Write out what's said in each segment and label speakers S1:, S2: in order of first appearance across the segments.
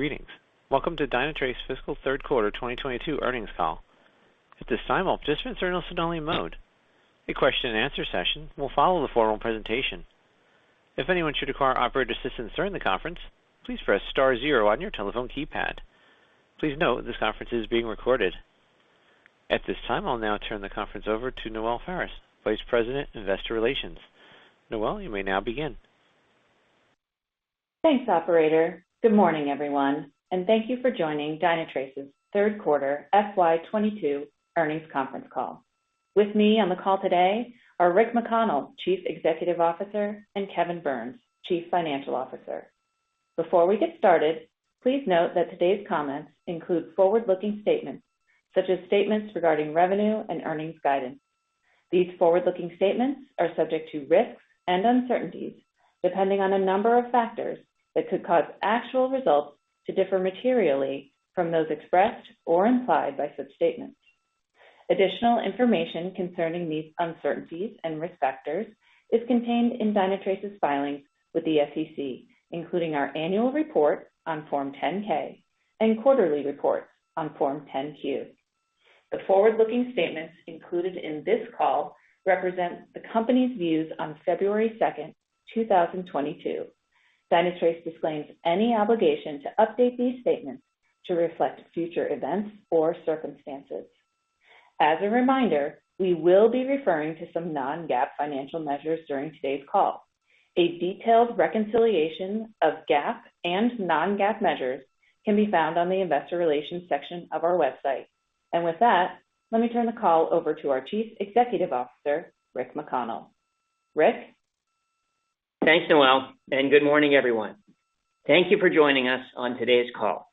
S1: Greetings. Welcome to Dynatrace Fiscal Q3 2022 Earnings Call. At this time, all participants are in listen-only mode. A question-and-answer session will follow the formal presentation. If anyone should require operator assistance during the conference, please press star zero on your telephone keypad. Please note this conference is being recorded. At this time, I'll now turn the conference over to Noelle Faris, Vice President, Investor Relations. Noelle, you may now begin.
S2: Thanks, operator. Good morning, everyone, and thank you for joining Dynatrace's Q3 FY 2022 Earnings Conference Call. With me on the call today are Rick McConnell, Chief Executive Officer, and Kevin Burns, Chief Financial Officer. Before we get started, please note that today's comments include forward-looking statements such as statements regarding revenue and earnings guidance. These forward-looking statements are subject to risks and uncertainties depending on a number of factors that could cause actual results to differ materially from those expressed or implied by such statements. Additional information concerning these uncertainties and risk factors is contained in Dynatrace's filings with the SEC, including our annual report on Form 10-K and quarterly reports on Form 10-Q. The forward-looking statements included in this call represent the company's views on February 2, 2022. Dynatrace disclaims any obligation to update these statements to reflect future events or circumstances. As a reminder, we will be referring to some non-GAAP financial measures during today's call. A detailed reconciliation of GAAP and non-GAAP measures can be found on the Investor Relations section of our website. With that, let me turn the call over to our Chief Executive Officer, Rick McConnell. Rick?
S3: Thanks, Noelle, and good morning, everyone. Thank you for joining us on today's call.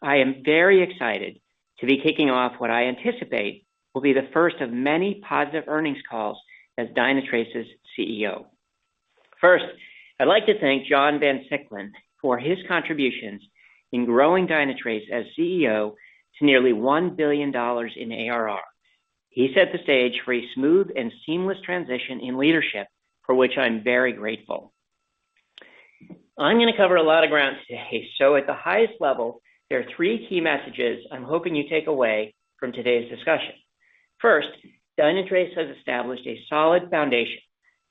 S3: I am very excited to be kicking off what I anticipate will be the first of many positive earnings calls as Dynatrace's CEO. First, I'd like to thank John Van Siclen for his contributions in growing Dynatrace as CEO to nearly $1 billion in ARR. He set the stage for a smooth and seamless transition in leadership, for which I'm very grateful. I'm gonna cover a lot of ground today. At the highest level, there are three key messages I'm hoping you take away from today's discussion. First, Dynatrace has established a solid foundation,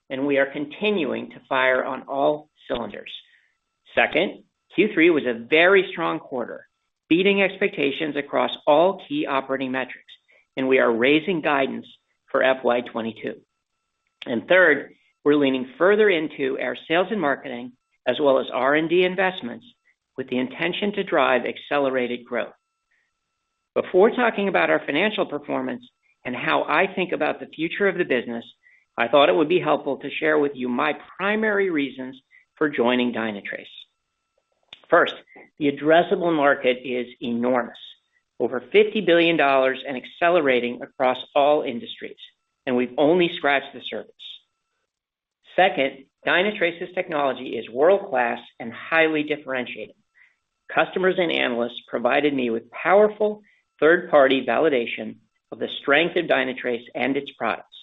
S3: and we are continuing to fire on all cylinders. Second, Q3 was a very strong quarter, beating expectations across all key operating metrics, and we are raising guidance for FY 2022. Third, we're leaning further into our sales and marketing as well as R&D investments with the intention to drive accelerated growth. Before talking about our financial performance and how I think about the future of the business, I thought it would be helpful to share with you my primary reasons for joining Dynatrace. First, the addressable market is enormous, over $50 billion and accelerating across all industries, and we've only scratched the surface. Second, Dynatrace's technology is world-class and highly differentiated. Customers and analysts provided me with powerful third-party validation of the strength of Dynatrace and its products,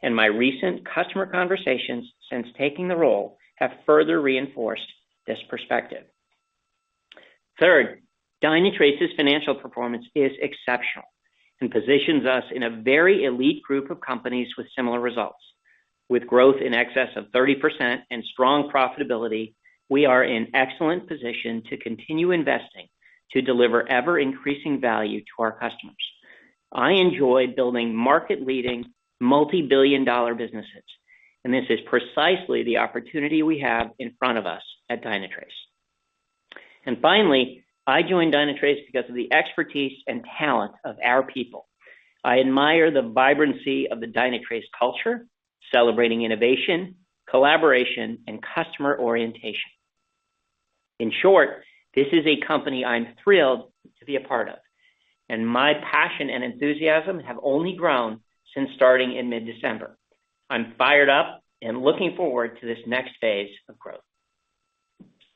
S3: and my recent customer conversations since taking the role have further reinforced this perspective. Third, Dynatrace's financial performance is exceptional and positions us in a very elite group of companies with similar results. With growth in excess of 30% and strong profitability, we are in excellent position to continue investing to deliver ever-increasing value to our customers. I enjoy building market-leading, multi-billion-dollar businesses, and this is precisely the opportunity we have in front of us at Dynatrace. Finally, I joined Dynatrace because of the expertise and talent of our people. I admire the vibrancy of the Dynatrace culture, celebrating innovation, collaboration, and customer orientation. In short, this is a company I'm thrilled to be a part of, and my passion and enthusiasm have only grown since starting in mid-December. I'm fired up and looking forward to this next phase of growth.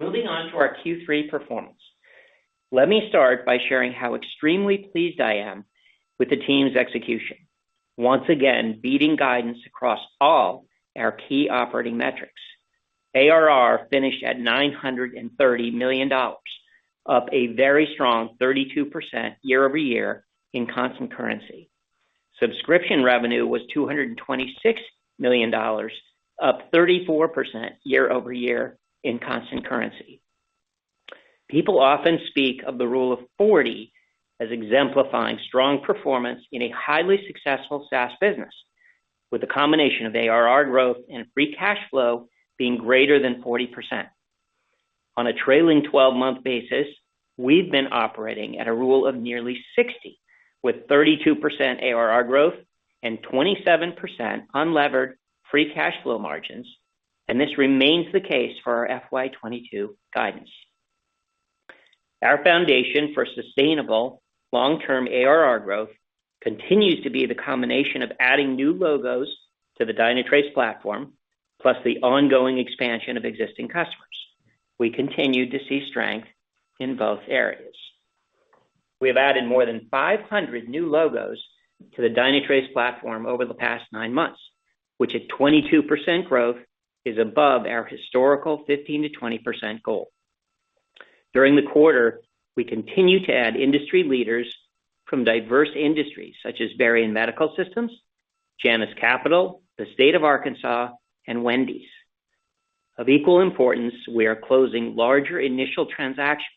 S3: Moving on to our Q3 performance. Let me start by sharing how extremely pleased I am with the team's execution. Once again, beating guidance across all our key operating metrics. ARR finished at $930 million, up a very strong 32% year-over-year in constant currency. Subscription revenue was $226 million, up 34% year-over-year in constant currency. People often speak of the rule of 40 as exemplifying strong performance in a highly successful SaaS business, with a combination of ARR growth and free cash flow being greater than 40%. On a trailing 12-month basis, we've been operating at a rule of nearly 60, with 32% ARR growth and 27% unlevered free cash flow margins, and this remains the case for our FY 2022 guidance. Our foundation for sustainable long-term ARR growth continues to be the combination of adding new logos to the Dynatrace platform, plus the ongoing expansion of existing customers. We continue to see strength in both areas. We have added more than 500 new logos to the Dynatrace platform over the past nine months, which at 22% growth is above our historical 15%-20% goal. During the quarter, we continue to add industry leaders from diverse industries such as Varian Medical Systems, Janus Capital, the State of Arkansas, and Wendy's. Of equal importance, we are closing larger initial transactions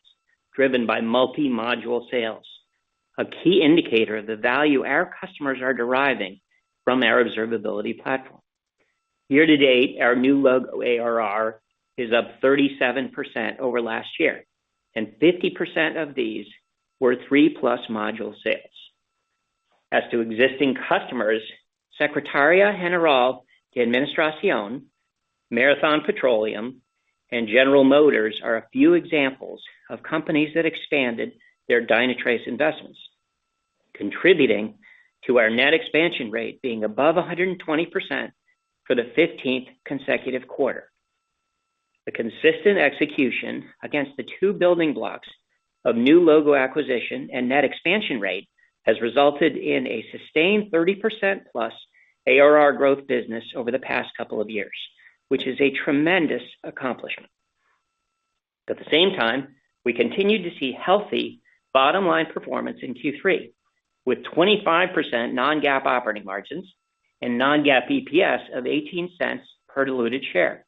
S3: driven by multi-module sales, a key indicator of the value our customers are deriving from our observability platform. Year to date, our new logo ARR is up 37% over last year, and 50% of these were 3+ module sales. As to existing customers, Secretaría General de Administración, Marathon Petroleum, and General Motors are a few examples of companies that expanded their Dynatrace investments, contributing to our net expansion rate being above 120% for the 15th consecutive quarter. The consistent execution against the two building blocks of new logo acquisition and net expansion rate has resulted in a sustained 30%+ ARR growth business over the past couple of years, which is a tremendous accomplishment. At the same time, we continued to see healthy bottom-line performance in Q3, with 25% non-GAAP operating margins and non-GAAP EPS of $0.18 per diluted share,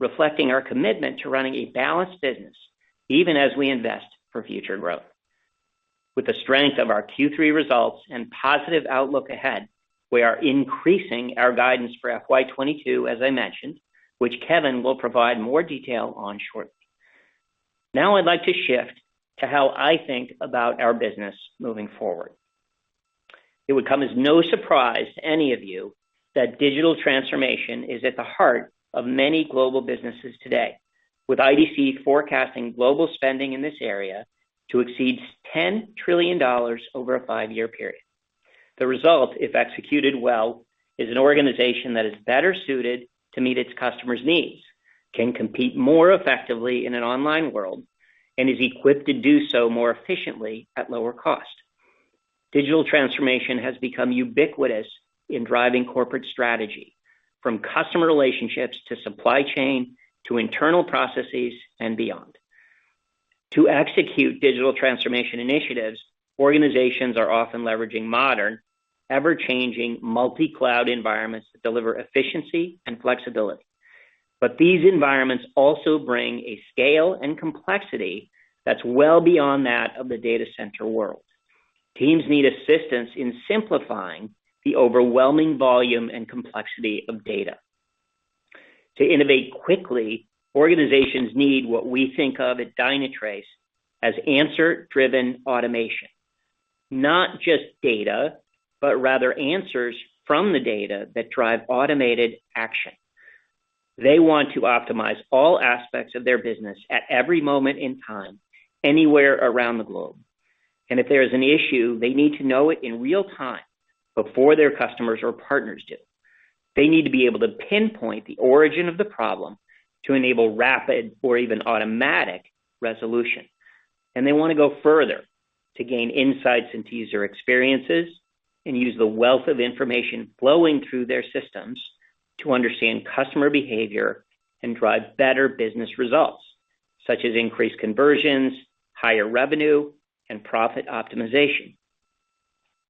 S3: reflecting our commitment to running a balanced business even as we invest for future growth. With the strength of our Q3 results and positive outlook ahead, we are increasing our guidance for FY 2022, as I mentioned, which Kevin will provide more detail on shortly. Now I'd like to shift to how I think about our business moving forward. It would come as no surprise to any of you that digital transformation is at the heart of many global businesses today, with IDC forecasting global spending in this area to exceed $10 trillion over a five-year period. The result, if executed well, is an organization that is better suited to meet its customers' needs, can compete more effectively in an online world, and is equipped to do so more efficiently at lower cost. Digital transformation has become ubiquitous in driving corporate strategy, from customer relationships to supply chain, to internal processes and beyond. To execute digital transformation initiatives, organizations are often leveraging modern, ever-changing multi-cloud environments that deliver efficiency and flexibility. These environments also bring a scale and complexity that's well beyond that of the data center world. Teams need assistance in simplifying the overwhelming volume and complexity of data. To innovate quickly, organizations need what we think of at Dynatrace as answer-driven automation. Not just data, but rather answers from the data that drive automated action. They want to optimize all aspects of their business at every moment in time, anywhere around the globe. If there is an issue, they need to know it in real time before their customers or partners do. They need to be able to pinpoint the origin of the problem to enable rapid or even automatic resolution. They want to go further to gain insights into user experiences and use the wealth of information flowing through their systems to understand customer behavior and drive better business results, such as increased conversions, higher revenue, and profit optimization.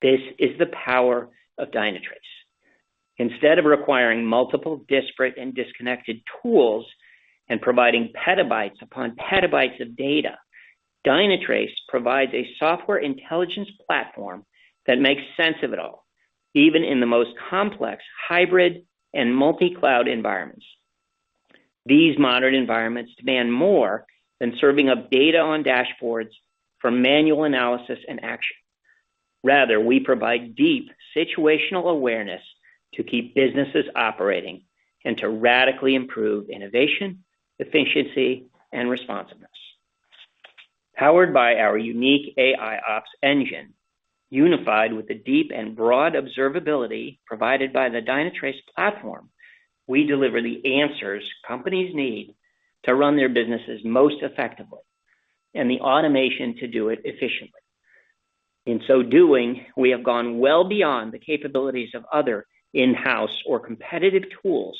S3: This is the power of Dynatrace. Instead of requiring multiple disparate and disconnected tools and providing petabytes upon petabytes of data, Dynatrace provides a software intelligence platform that makes sense of it all, even in the most complex hybrid and multi-cloud environments. These modern environments demand more than serving up data on dashboards for manual analysis and action. Rather, we provide deep situational awareness to keep businesses operating and to radically improve innovation, efficiency, and responsiveness. Powered by our unique AIOps engine, unified with the deep and broad observability provided by the Dynatrace platform, we deliver the answers companies need to run their businesses most effectively and the automation to do it efficiently. In so doing, we have gone well beyond the capabilities of other in-house or competitive tools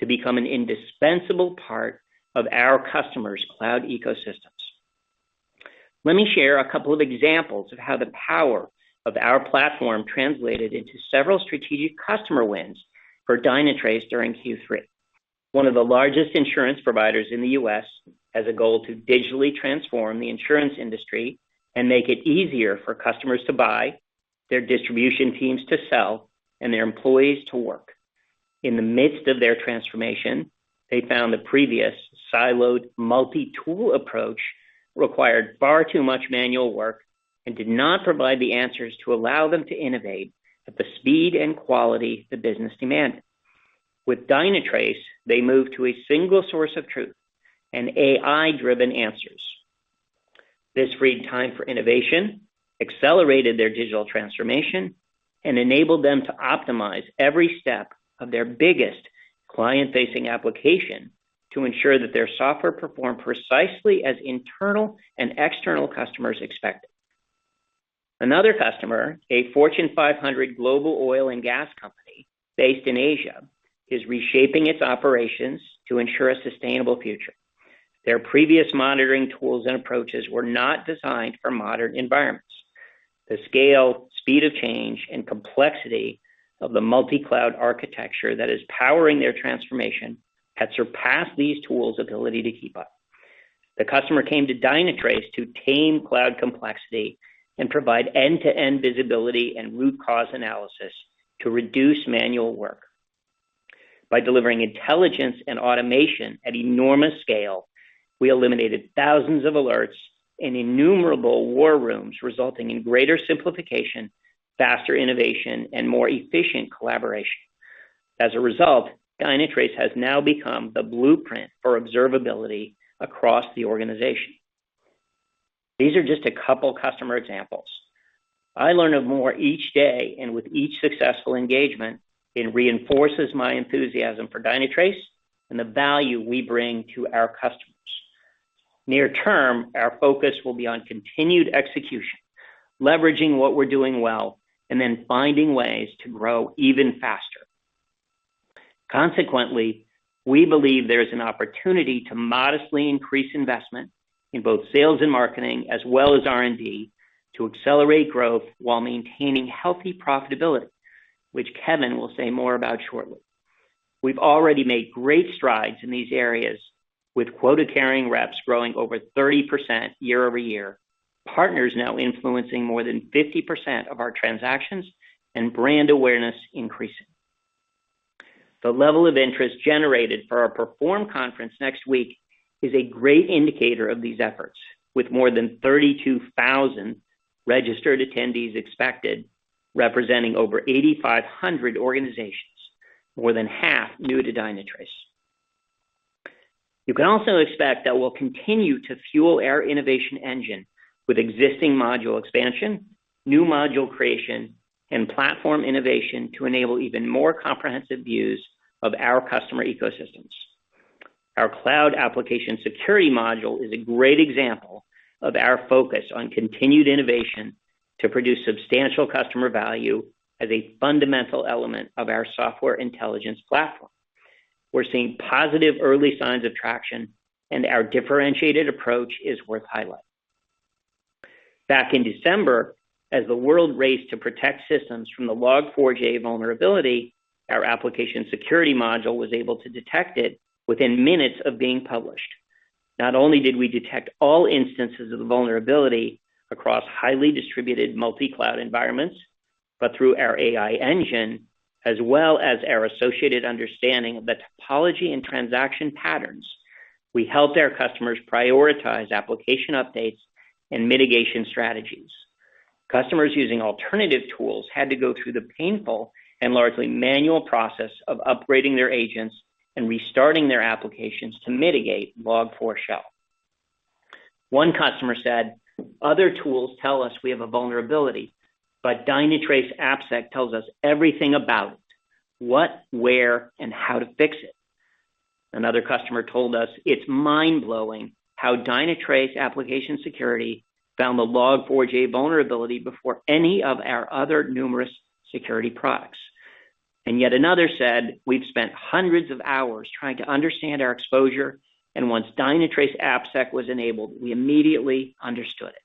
S3: to become an indispensable part of our customers' cloud ecosystems. Let me share a couple of examples of how the power of our platform translated into several strategic customer wins for Dynatrace during Q3. One of the largest insurance providers in the U.S. has a goal to digitally transform the insurance industry and make it easier for customers to buy, their distribution teams to sell, and their employees to work. In the midst of their transformation, they found the previous siloed multi-tool approach required far too much manual work and did not provide the answers to allow them to innovate at the speed and quality the business demanded. With Dynatrace, they moved to a single source of truth and AI-driven answers. This freed time for innovation, accelerated their digital transformation, and enabled them to optimize every step of their biggest client-facing application to ensure that their software performed precisely as internal and external customers expected. Another customer, a Fortune 500 global oil and gas company based in Asia, is reshaping its operations to ensure a sustainable future. Their previous monitoring tools and approaches were not designed for modern environments. The scale, speed of change, and complexity of the multi-cloud architecture that is powering their transformation had surpassed these tools' ability to keep up. The customer came to Dynatrace to tame cloud complexity and provide end-to-end visibility and root cause analysis to reduce manual work. By delivering intelligence and automation at enormous scale, we eliminated thousands of alerts in innumerable war rooms, resulting in greater simplification, faster innovation, and more efficient collaboration. As a result, Dynatrace has now become the blueprint for observability across the organization. These are just a couple customer examples. I learn of more each day, and with each successful engagement, it reinforces my enthusiasm for Dynatrace and the value we bring to our customers. Near term, our focus will be on continued execution, leveraging what we're doing well, and then finding ways to grow even faster. Consequently, we believe there's an opportunity to modestly increase investment in both sales and marketing as well as R&D to accelerate growth while maintaining healthy profitability, which Kevin will say more about shortly. We've already made great strides in these areas with quota-carrying reps growing over 30% year-over-year, partners now influencing more than 50% of our transactions, and brand awareness increasing. The level of interest generated for our Perform conference next week is a great indicator of these efforts, with more than 32,000 registered attendees expected, representing over 8,500 organizations, more than half new to Dynatrace. You can also expect that we'll continue to fuel our innovation engine with existing module expansion, new module creation, and platform innovation to enable even more comprehensive views of our customer ecosystems. Our cloud application security module is a great example of our focus on continued innovation to produce substantial customer value as a fundamental element of our software intelligence platform. We're seeing positive early signs of traction, and our differentiated approach is worth highlighting. Back in December, as the world raced to protect systems from the Log4j vulnerability, our application security module was able to detect it within minutes of being published. Not only did we detect all instances of the vulnerability across highly distributed multi-cloud environments, but through our AI engine, as well as our associated understanding of the topology and transaction patterns, we helped our customers prioritize application updates and mitigation strategies. Customers using alternative tools had to go through the painful and largely manual process of upgrading their agents and restarting their applications to mitigate Log4Shell. One customer said, "Other tools tell us we have a vulnerability, but Dynatrace AppSec tells us everything about it, what, where, and how to fix it." Another customer told us, "It's mind-blowing how Dynatrace Application Security found the Log4j vulnerability before any of our other numerous security products." Yet another said, "We've spent hundreds of hours trying to understand our exposure, and once Dynatrace AppSec was enabled, we immediately understood it."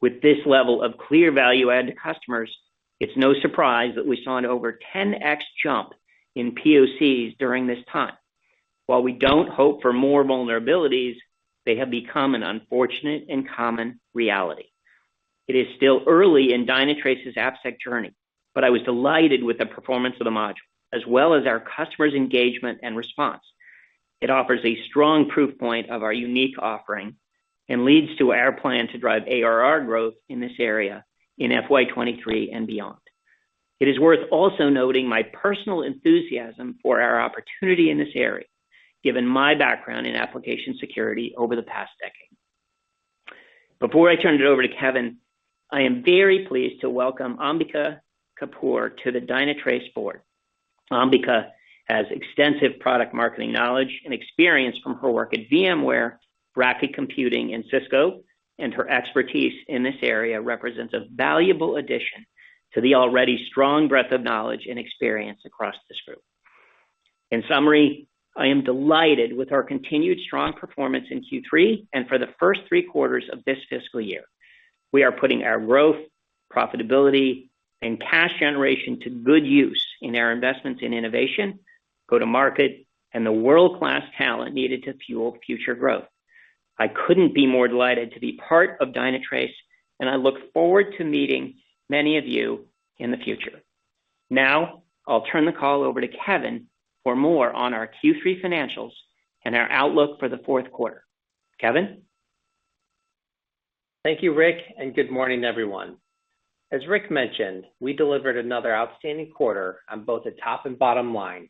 S3: With this level of clear value add to customers, it's no surprise that we saw an over 10x jump in POCs during this time. While we don't hope for more vulnerabilities, they have become an unfortunate and common reality. It is still early in Dynatrace's AppSec journey, but I was delighted with the performance of the module, as well as our customers' engagement and response. It offers a strong proof point of our unique offering and leads to our plan to drive ARR growth in this area in FY 2023 and beyond. It is worth also noting my personal enthusiasm for our opportunity in this area, given my background in application security over the past decade. Before I turn it over to Kevin, I am very pleased to welcome Ambika Kapur to the Dynatrace board. Ambika has extensive product marketing knowledge and experience from her work at VMware, Rackable Systems, and Cisco, and her expertise in this area represents a valuable addition to the already strong breadth of knowledge and experience across this group. In summary, I am delighted with our continued strong performance in Q3 and for the first three quarters of this fiscal year. We are putting our growth, profitability, and cash generation to good use in our investments in innovation, go-to-market, and the world-class talent needed to fuel future growth. I couldn't be more delighted to be part of Dynatrace, and I look forward to meeting many of you in the future. Now, I'll turn the call over to Kevin for more on our Q3 financials and our outlook for the fourth quarter. Kevin?
S4: Thank you, Rick, and good morning, everyone. As Rick mentioned, we delivered another outstanding quarter on both the top and bottom line,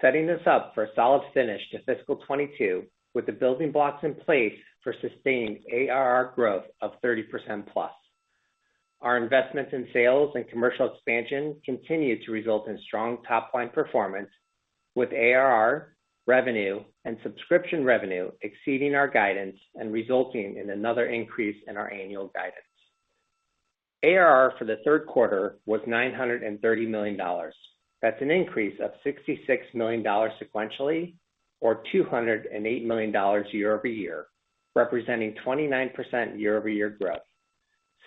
S4: setting us up for a solid finish to fiscal 2022 with the building blocks in place for sustained ARR growth of 30%+. Our investments in sales and commercial expansion continue to result in strong top line performance with ARR, revenue, and subscription revenue exceeding our guidance and resulting in another increase in our annual guidance. ARR for Q3 was $930 million. That's an increase of $66 million sequentially or $208 million year-over-year, representing 29% year-over-year growth.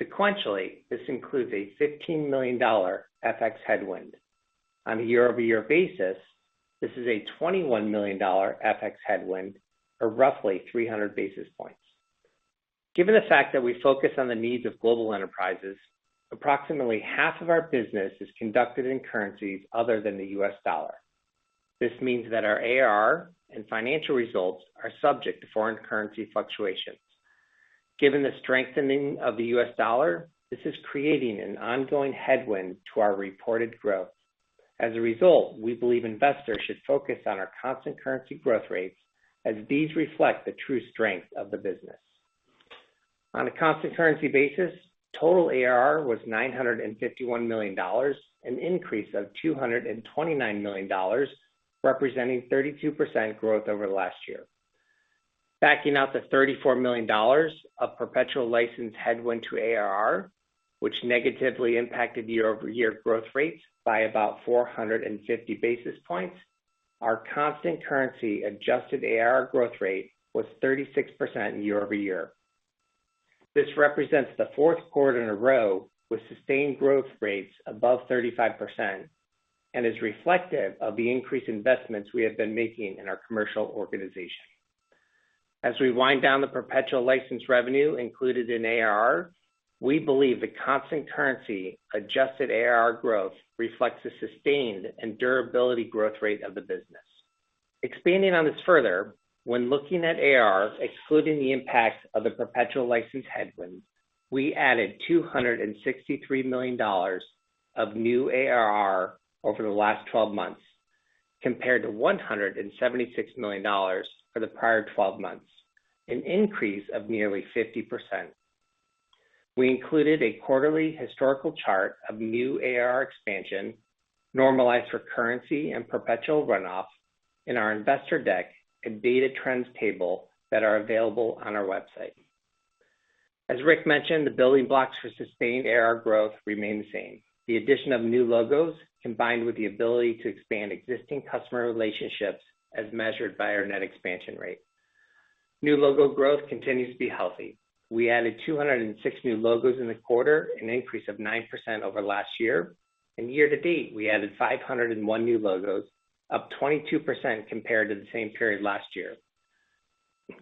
S4: Sequentially, this includes a $15 million FX headwind. On a year-over-year basis, this is a 21 million FX headwind, or roughly 300 basis points. Given the fact that we focus on the needs of global enterprises, approximately half of our business is conducted in currencies other than the U.S. dollar. This means that our ARR and financial results are subject to foreign currency fluctuations. Given the strengthening of the U.S. dollar, this is creating an ongoing headwind to our reported growth. As a result, we believe investors should focus on our constant currency growth rates as these reflect the true strength of the business. On a constant currency basis, total ARR was $951 million, an increase of 229 million, representing 32% growth over last year. Backing out the $34 million of perpetual license headwind to ARR, which negatively impacted year-over-year growth rates by about 450 basis points, our constant currency adjusted ARR growth rate was 36% year-over-year. This represents the fourth quarter in a row with sustained growth rates above 35% and is reflective of the increased investments we have been making in our commercial organization. As we wind down the perpetual license revenue included in ARR, we believe the constant currency adjusted ARR growth reflects the sustained and durability growth rate of the business. Expanding on this further, when looking at ARR, excluding the impact of the perpetual license headwind, we added $263 million of new ARR over the last 12 months compared to $176 million for the prior 12 months, an increase of nearly 50%. We included a quarterly historical chart of new ARR expansion normalized for currency and perpetual runoff in our investor deck and data trends table that are available on our website. As Rick mentioned, the building blocks for sustained ARR growth remain the same, the addition of new logos combined with the ability to expand existing customer relationships as measured by our net expansion rate. New logo growth continues to be healthy. We added 206 new logos in the quarter, an increase of 9% over last year. Year to date, we added 501 new logos, up 22% compared to the same period last year.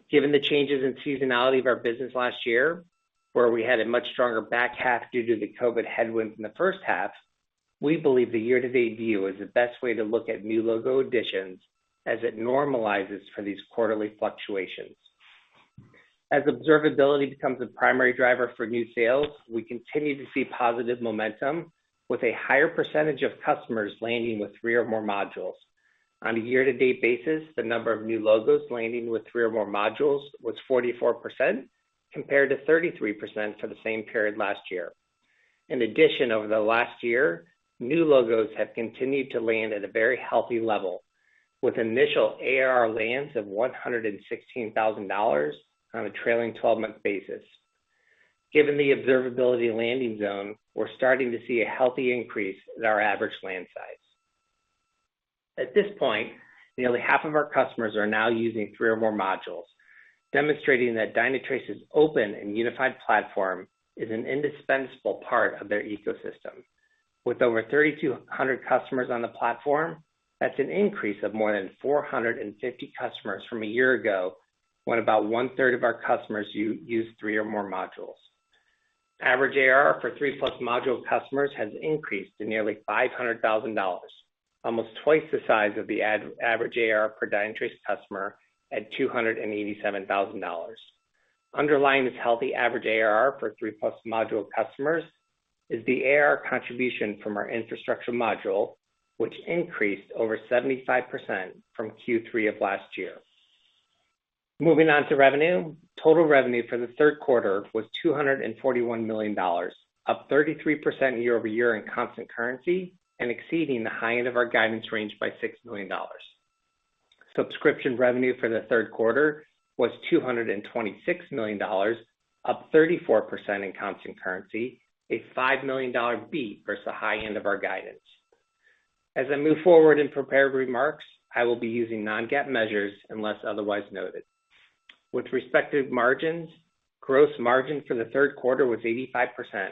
S4: Given the changes in seasonality of our business last year, where we had a much stronger back half due to the COVID headwind in the first half, we believe the year to date view is the best way to look at new logo additions as it normalizes for these quarterly fluctuations. As observability becomes the primary driver for new sales, we continue to see positive momentum with a higher percentage of customers landing with three or more modules. On a year to date basis, the number of new logos landing with three or more modules was 44% compared to 33% for the same period last year. In addition, over the last year, new logos have continued to land at a very healthy level with initial ARR lands of $116,000 on a trailing 12-month basis. Given the observability landing zone, we're starting to see a healthy increase in our average land size. At this point, nearly half of our customers are now using three or more modules, demonstrating that Dynatrace's open and unified platform is an indispensable part of their ecosystem. With over 3,200 customers on the platform, that's an increase of more than 450 customers from a year ago, when about one-third of our customers used three or more modules. Average ARR for three-plus module customers has increased to nearly $500,000, almost twice the size of the average ARR per Dynatrace customer at $287,000. Underlying this healthy average ARR for three-plus module customers is the ARR contribution from our infrastructure module, which increased over 75% from Q3 of last year. Moving on to revenue. Total revenue for Q3 was $241 million, up 33% year-over-year in constant currency and exceeding the high end of our guidance range by $6 million. Subscription revenue for Q3 was $226 million, up 34% in constant currency, a $5 million beat versus the high end of our guidance. As I move forward in prepared remarks, I will be using non-GAAP measures unless otherwise noted. With respect to margins, gross margin for Q3 was 85%,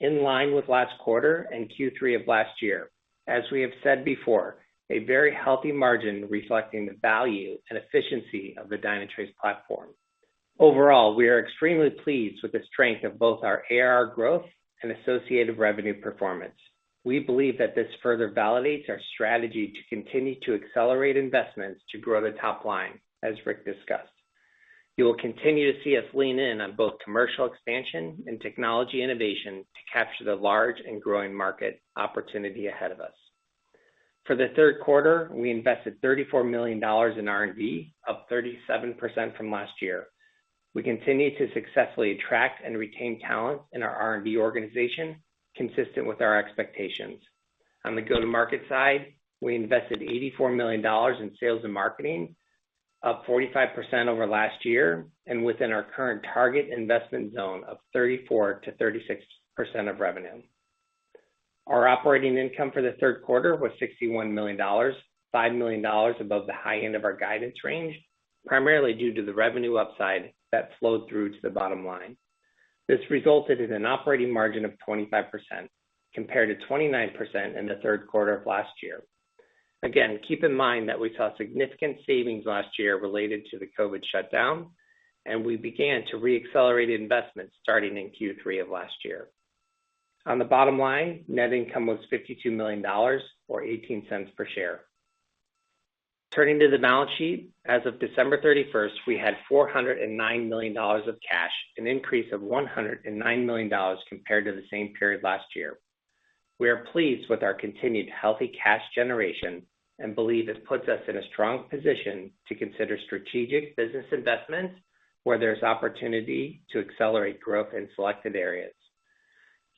S4: in line with last quarter and Q3 of last year. As we have said before, a very healthy margin reflecting the value and efficiency of the Dynatrace platform. Overall, we are extremely pleased with the strength of both our ARR growth and associated revenue performance. We believe that this further validates our strategy to continue to accelerate investments to grow the top line, as Rick discussed. You will continue to see us lean in on both commercial expansion and technology innovation to capture the large and growing market opportunity ahead of us. For Q3, we invested $34 million in R&D, up 37% from last year. We continue to successfully attract and retain talent in our R&D organization, consistent with our expectations. On the go-to-market side, we invested $84 million in sales and marketing, up 45% over last year, and within our current target investment zone of 34%-36% of revenue. Our operating income for Q3 was $61 million, 5 million above the high end of our guidance range, primarily due to the revenue upside that flowed through to the bottom line. This resulted in an operating margin of 25% compared to 29% in Q3 of last year. Again, keep in mind that we saw significant savings last year related to the COVID shutdown, and we began to re-accelerate investments starting in Q3 of last year. On the bottom line, net income was $52 million or 0.18 per share. Turning to the balance sheet. As of December 31, we had $409 million of cash, an increase of 109 million compared to the same period last year. We are pleased with our continued healthy cash generation and believe this puts us in a strong position to consider strategic business investments where there's opportunity to accelerate growth in selected areas.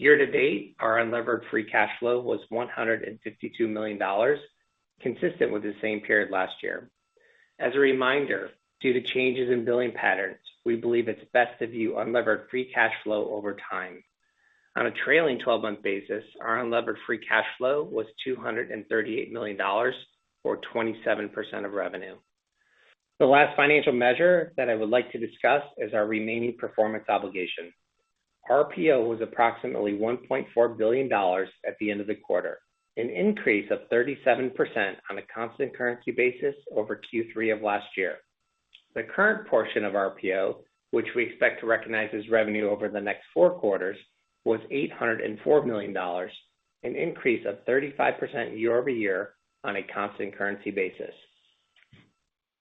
S4: Year to date, our unlevered free cash flow was $152 million, consistent with the same period last year. As a reminder, due to changes in billing patterns, we believe it's best to view unlevered free cash flow over time. On a trailing 12-month basis, our unlevered free cash flow was $238 million, or 27% of revenue. The last financial measure that I would like to discuss is our remaining performance obligation. RPO was approximately $1.4 billion at the end of the quarter, an increase of 37% on a constant currency basis over Q3 of last year. The current portion of RPO, which we expect to recognize as revenue over the next four quarters, was $804 million, an increase of 35% year-over-year on a constant currency basis.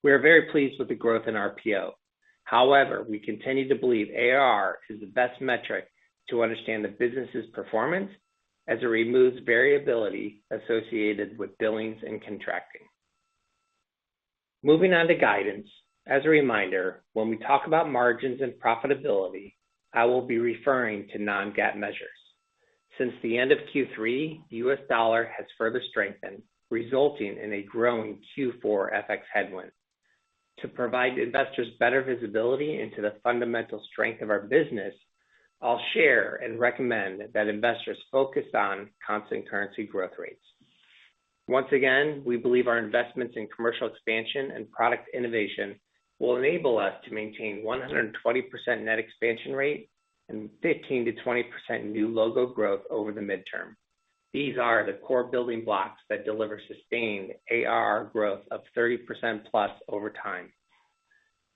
S4: We are very pleased with the growth in RPO. However, we continue to believe ARR is the best metric to understand the business's performance as it removes variability associated with billings and contracting. Moving on to guidance. As a reminder, when we talk about margins and profitability, I will be referring to non-GAAP measures. Since the end of Q3, the U.S. dollar has further strengthened, resulting in a growing Q4 FX headwind. To provide investors better visibility into the fundamental strength of our business, I'll share and recommend that investors focus on constant currency growth rates. Once again, we believe our investments in commercial expansion and product innovation will enable us to maintain 120% net expansion rate and 15%-20% new logo growth over the midterm. These are the core building blocks that deliver sustained ARR growth of 30%+ over time.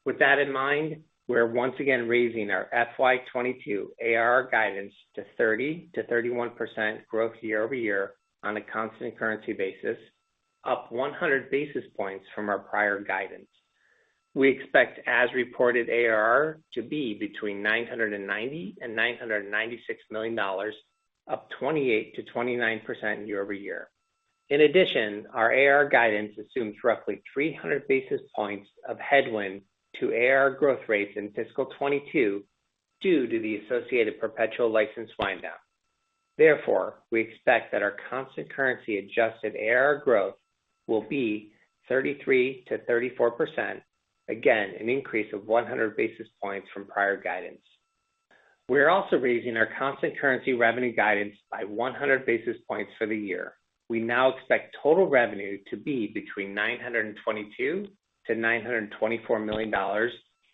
S4: With that in mind, we're once again raising our FY 2022 ARR guidance to 30%-31% growth year-over-year on a constant currency basis, up 100 basis points from our prior guidance. We expect as-reported ARR to be between $990 and 996 million, up 28%-29% year-over-year. In addition, our ARR guidance assumes roughly 300 basis points of headwind to ARR growth rates in fiscal 2022 due to the associated perpetual license wind down. Therefore, we expect that our constant currency adjusted ARR growth will be 33%-34%. Again, an increase of 100 basis points from prior guidance. We are also raising our constant currency revenue guidance by 100 basis points for the year. We now expect total revenue to be between $922-924 million,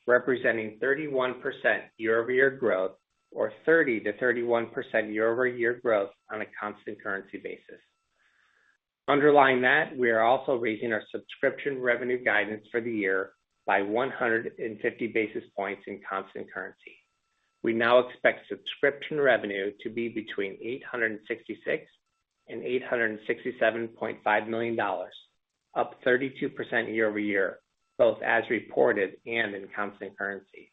S4: representing 31% year-over-year growth, or 30%-31% year-over-year growth on a constant currency basis. Underlying that, we are also raising our subscription revenue guidance for the year by 150 basis points in constant currency. We now expect subscription revenue to be between $866-867.5 million, up 32% year-over-year, both as reported and in constant currency.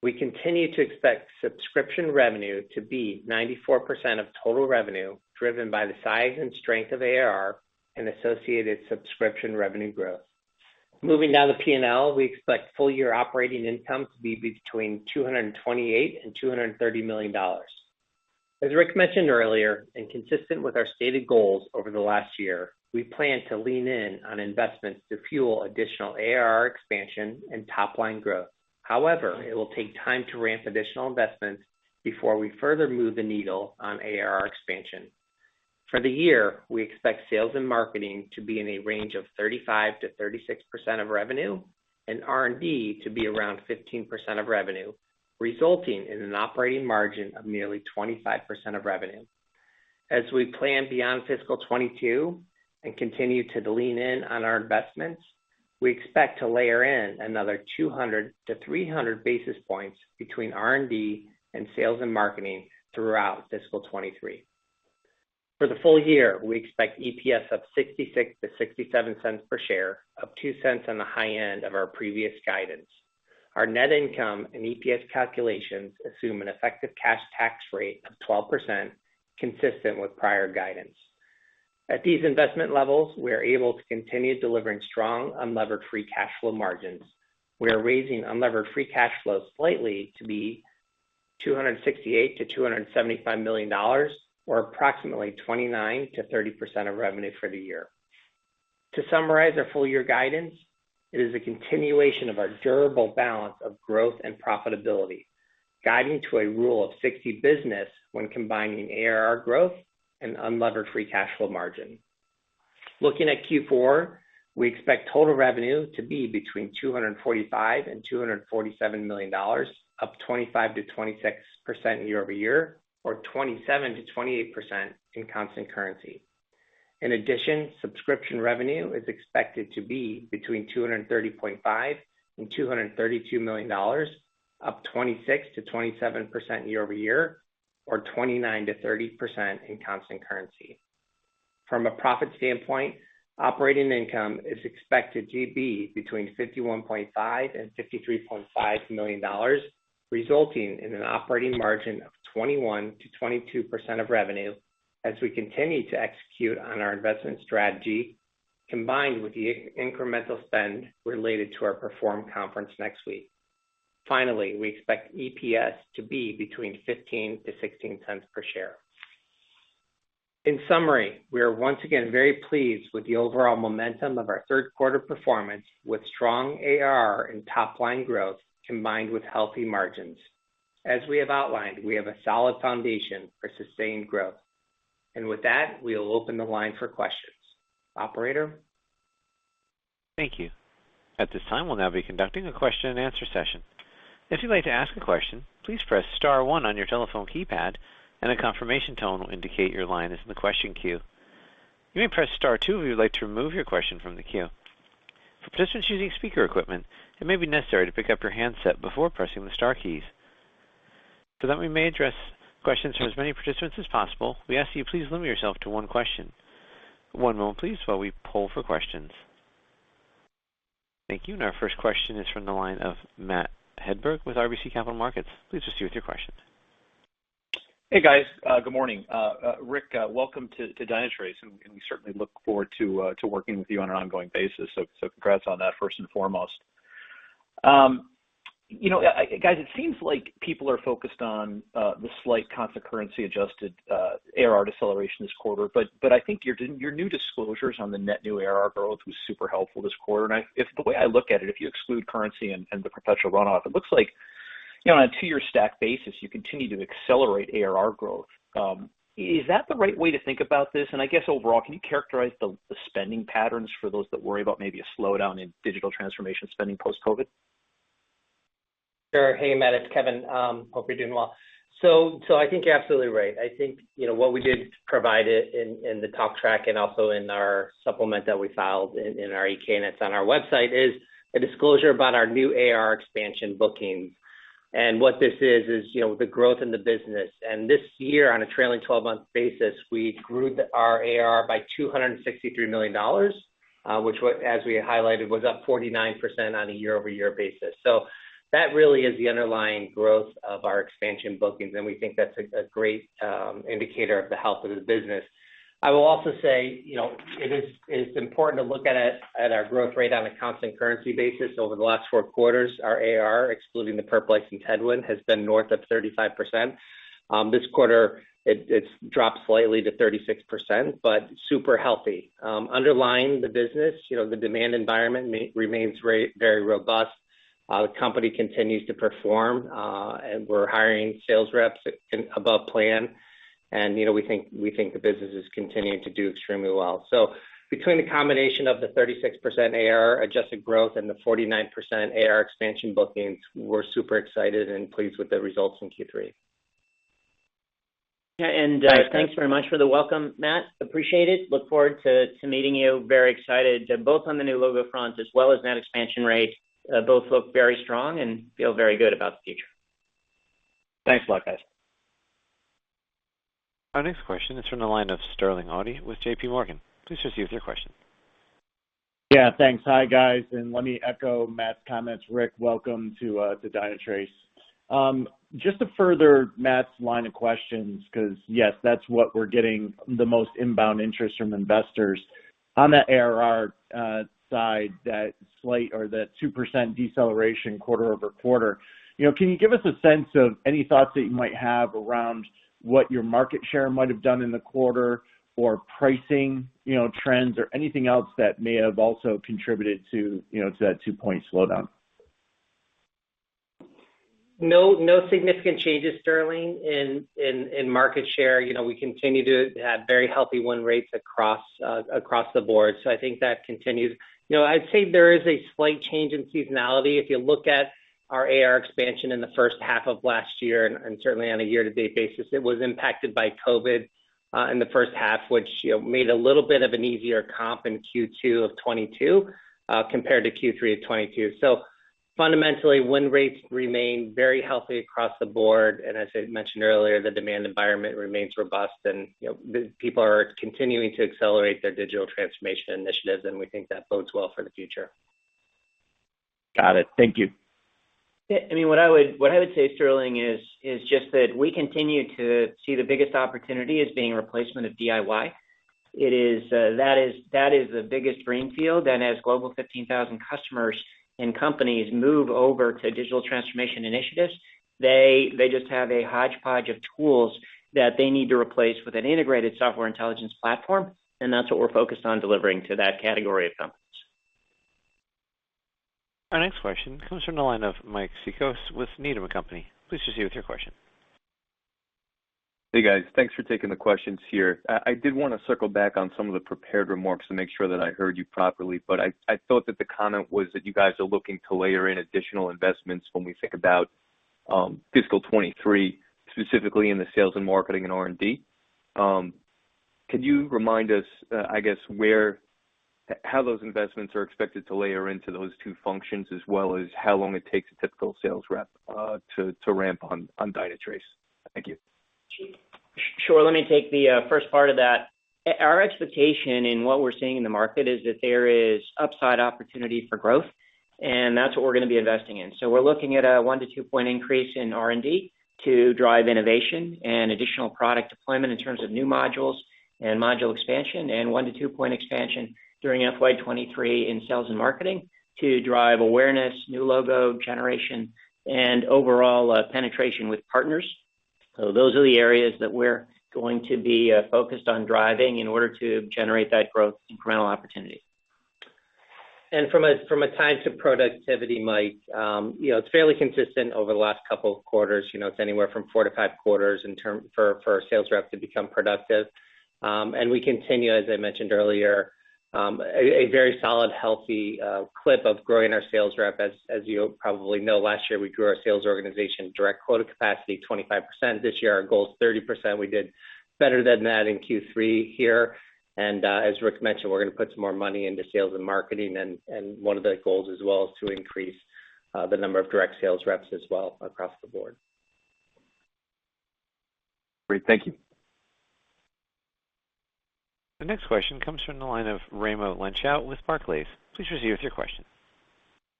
S4: We continue to expect subscription revenue to be 94% of total revenue, driven by the size and strength of ARR and associated subscription revenue growth. Moving down to P&L, we expect full year operating income to be between $228 and 230 million. As Rick mentioned earlier, and consistent with our stated goals over the last year, we plan to lean in on investments to fuel additional ARR expansion and top line growth. However, it will take time to ramp additional investments before we further move the needle on ARR expansion. For the year, we expect sales and marketing to be in a range of 35%-36% of revenue and R&D to be around 15% of revenue, resulting in an operating margin of nearly 25% of revenue. As we plan beyond fiscal 2022 and continue to lean in on our investments, we expect to layer in another 200-300 basis points between R&D and sales and marketing throughout fiscal 2023. For the full year, we expect EPS of $0.66-0.67 per share, up $0.02 on the high end of our previous guidance. Our net income and EPS calculations assume an effective cash tax rate of 12%, consistent with prior guidance. At these investment levels, we are able to continue delivering strong unlevered free cash flow margins. We are raising unlevered free cash flow slightly to be $268-275 million, or approximately 29%-30% of revenue for the year. To summarize our full year guidance, it is a continuation of our durable balance of growth and profitability, guiding to a rule of 60 business when combining ARR growth and unlevered free cash flow margin. Looking at Q4, we expect total revenue to be between $245-247 million, up 25%-26% year-over-year, or 27%-28% in constant currency. In addition, subscription revenue is expected to be between $230.5-232 million, up 26%-27% year-over-year, or 29%-30% in constant currency. From a profit standpoint, operating income is expected to be between $51.5-53.5 million, resulting in an operating margin of 21%-22% of revenue as we continue to execute on our investment strategy, combined with the incremental spend related to our Perform conference next week. Finally, we expect EPS to be between $0.15-0.16 cents per share. In summary, we are once again very pleased with the overall momentum of our Q3 performance with strong ARR and top line growth, combined with healthy margins. As we have outlined, we have a solid foundation for sustained growth. With that, we'll open the line for questions. Operator?
S1: Thank you. At this time, we'll now be conducting a question-and-answer session. If you'd like to ask a question, please press star one on your telephone keypad and a confirmation tone will indicate your line is in the question queue. You may press star two if you would like to remove your question from the queue. For participants using speaker equipment, it may be necessary to pick up your handset before pressing the star keys. So that we may address questions from as many participants as possible, we ask that you please limit yourself to one question. One moment, please, while we poll for questions. Thank you. Our first question is from the line of Matt Hedberg with RBC Capital Markets. Please proceed with your questions.
S5: Hey, guys. Good morning. Rick, welcome to Dynatrace, and we certainly look forward to working with you on an ongoing basis. So, congrats on that first and foremost. You know, guys, it seems like people are focused on the slight constant currency adjusted ARR deceleration this quarter, but I think your new disclosures on the net new ARR growth was super helpful this quarter. The way I look at it, if you exclude currency and the perpetual runoff, it looks like, you know, on a two-year stack basis, you continue to accelerate ARR growth. Is that the right way to think about this? I guess overall, can you characterize the spending patterns for those that worry about maybe a slowdown in digital transformation spending post-COVID?
S4: Sure. Hey, Matt, it's Kevin. Hope you're doing well. I think you're absolutely right. I think, you know, what we did provide in the talk track and also in our supplement that we filed in our 8-K, and it's on our website, is a disclosure about our new ARR expansion bookings. What this is, you know, the growth in the business. This year, on a trailing 12-month basis, we grew our ARR by $263 million, which, as we highlighted, was up 49% on a year-over-year basis. That really is the underlying growth of our expansion bookings, and we think that's a great indicator of the health of the business. I will also say, you know, it's important to look at our growth rate on a constant currency basis. Over the last four quarters, our ARR, excluding the perpetual licensing headwind, has been north of 35%. This quarter it's dropped slightly to 36%, but super healthy. Underlying the business, you know, the demand environment remains very, very robust. The company continues to perform, and we're hiring sales reps above plan. You know, we think the business is continuing to do extremely well. Between the combination of the 36% ARR adjusted growth and the 49% ARR expansion bookings, we're super excited and pleased with the results in Q3.
S5: Yeah.
S4: Thanks.
S3: Thanks very much for the welcome, Matt. Appreciate it. Look forward to meeting you. Very excited both on the new logo front as well as net expansion rates. Both look very strong and feel very good about the future.
S5: Thanks a lot, guys.
S1: Our next question is from the line of Sterling Auty with JPMorgan. Please proceed with your question.
S6: Yeah. Thanks. Hi, guys, and let me echo Matt's comments. Rick, welcome to Dynatrace. Just to further Matt's line of questions, 'cause, yes, that's what we're getting the most inbound interest from investors. On that ARR side, that slight or that 2% deceleration quarter-over-quarter, you know, can you give us a sense of any thoughts that you might have around what your market share might have done in the quarter or pricing, you know, trends or anything else that may have also contributed to, you know, to that two-point slowdown?
S4: No, no significant changes, Sterling, in market share. You know, we continue to have very healthy win rates across the board. I think that continues. You know, I'd say there is a slight change in seasonality. If you look at our ARR expansion in the first half of last year, and certainly on a year-to-date basis, it was impacted by COVID in the first half, which, you know, made a little bit of an easier comp in Q2 of 2022 compared to Q3 of 2022. Fundamentally, win rates remain very healthy across the board, and as I mentioned earlier, the demand environment remains robust and, you know, people are continuing to accelerate their digital transformation initiatives, and we think that bodes well for the future.
S6: Got it. Thank you.
S3: Yeah, I mean, what I would say, Sterling, is just that we continue to see the biggest opportunity as being replacement of DIY. It is. That is the biggest greenfield. As global 15,000 customers and companies move over to digital transformation initiatives, they just have a hodgepodge of tools that they need to replace with an integrated software intelligence platform, and that's what we're focused on delivering to that category of companies.
S1: Our next question comes from the line of Mike Cikos with Needham & Company. Please proceed with your question.
S7: Hey, guys. Thanks for taking the questions here. I did wanna circle back on some of the prepared remarks to make sure that I heard you properly, but I thought that the comment was that you guys are looking to layer in additional investments when we think about fiscal 2023, specifically in the sales and marketing and R&D. Can you remind us, I guess, where, how those investments are expected to layer into those two functions, as well as how long it takes a typical sales rep to ramp on Dynatrace? Thank you.
S3: Sure. Let me take the first part of that. Our expectation in what we're seeing in the market is that there is upside opportunity for growth, and that's what we're gonna be investing in. We're looking at a one, two point increase in R&D to drive innovation and additional product deployment in terms of new modules and module expansion, and one, two point expansion during FY 2023 in sales and marketing to drive awareness, new logo generation, and overall penetration with partners. Those are the areas that we're going to be focused on driving in order to generate that growth incremental opportunity.
S4: From a time to productivity, Mike, you know, it's fairly consistent over the last couple of quarters, you know. It's anywhere from four to five quarters for a sales rep to become productive. We continue, as I mentioned earlier, a very solid, healthy clip of growing our sales rep. As you probably know, last year, we grew our sales organization direct quota capacity 25%. This year, our goal is 30%. We did better than that in Q3 here. As Rick mentioned, we're gonna put some more money into sales and marketing, and one of the goals as well is to increase the number of direct sales reps as well across the board.
S7: Great. Thank you.
S1: The next question comes from the line of Raimo Lenschow with Barclays. Please proceed with your question.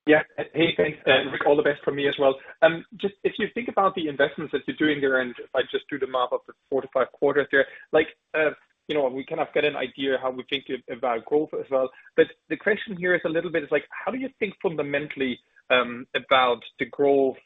S8: Yeah. Hey, thanks. Rick, all the best from me as well. Just if you think about the investments that you're doing there, and if I just do the math of the four to five quarters there, like, you know, we kind of get an idea how we think about growth as well. The question here is a little bit is like, how do you think fundamentally about the growth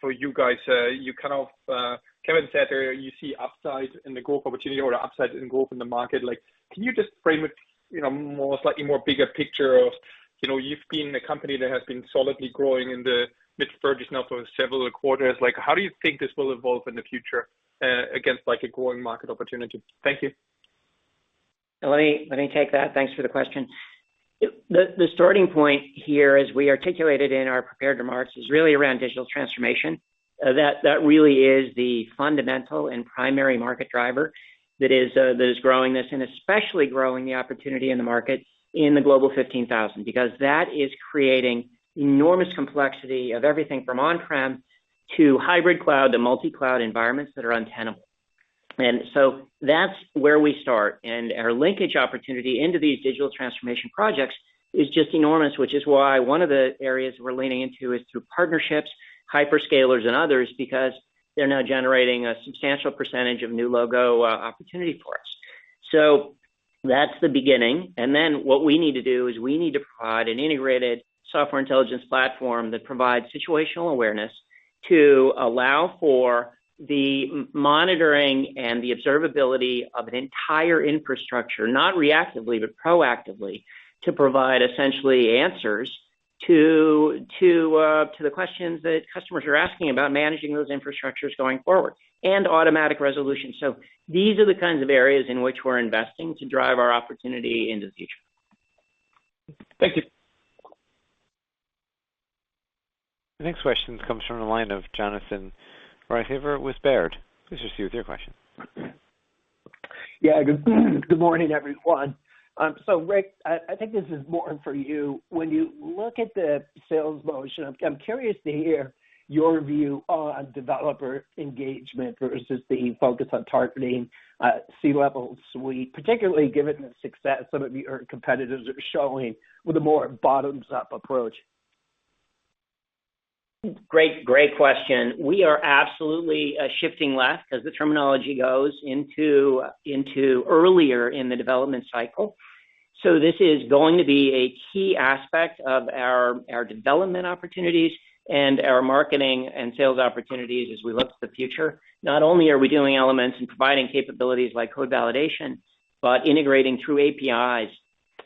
S8: for you guys? You kind of, Kevin said you see upside in the growth opportunity or upside in growth in the market. Like, can you just frame it, you know, more, slightly more bigger picture of, you know, you've been a company that has been solidly growing in the mid-30s% now for several quarters. Like, how do you think this will evolve in the future against like a growing market opportunity? Thank you.
S3: Let me take that. Thanks for the question. The starting point here, as we articulated in our prepared remarks, is really around digital transformation. That really is the fundamental and primary market driver that is growing this and especially growing the opportunity in the market in the Global 15,000, because that is creating enormous complexity of everything from on-prem to hybrid cloud to multi-cloud environments that are untenable. That's where we start. Our linkage opportunity into these digital transformation projects is just enormous, which is why one of the areas we're leaning into is through partnerships, hyperscalers and others, because they're now generating a substantial percentage of new logo opportunity for us. That's the beginning. What we need to do is we need to provide an integrated software intelligence platform that provides situational awareness to allow for the monitoring and the observability of an entire infrastructure, not reactively, but proactively, to provide essentially answers to the questions that customers are asking about managing those infrastructures going forward, and automatic resolution. These are the kinds of areas in which we're investing to drive our opportunity into the future.
S8: Thank you.
S1: The next question comes from the line of Jonathan Ruykhaver with Baird. Please proceed with your question.
S9: Yeah. Good morning, everyone. Rick, I think this is more for you. When you look at the sales motion, I'm curious to hear your view on developer engagement versus the focus on targeting C-suite, particularly given the success some of your competitors are showing with a more bottoms-up approach.
S3: Great question. We are absolutely shifting left, as the terminology goes, into earlier in the development cycle. This is going to be a key aspect of our development opportunities and our marketing and sales opportunities as we look to the future. Not only are we doing elements and providing capabilities like code validation, but integrating through APIs,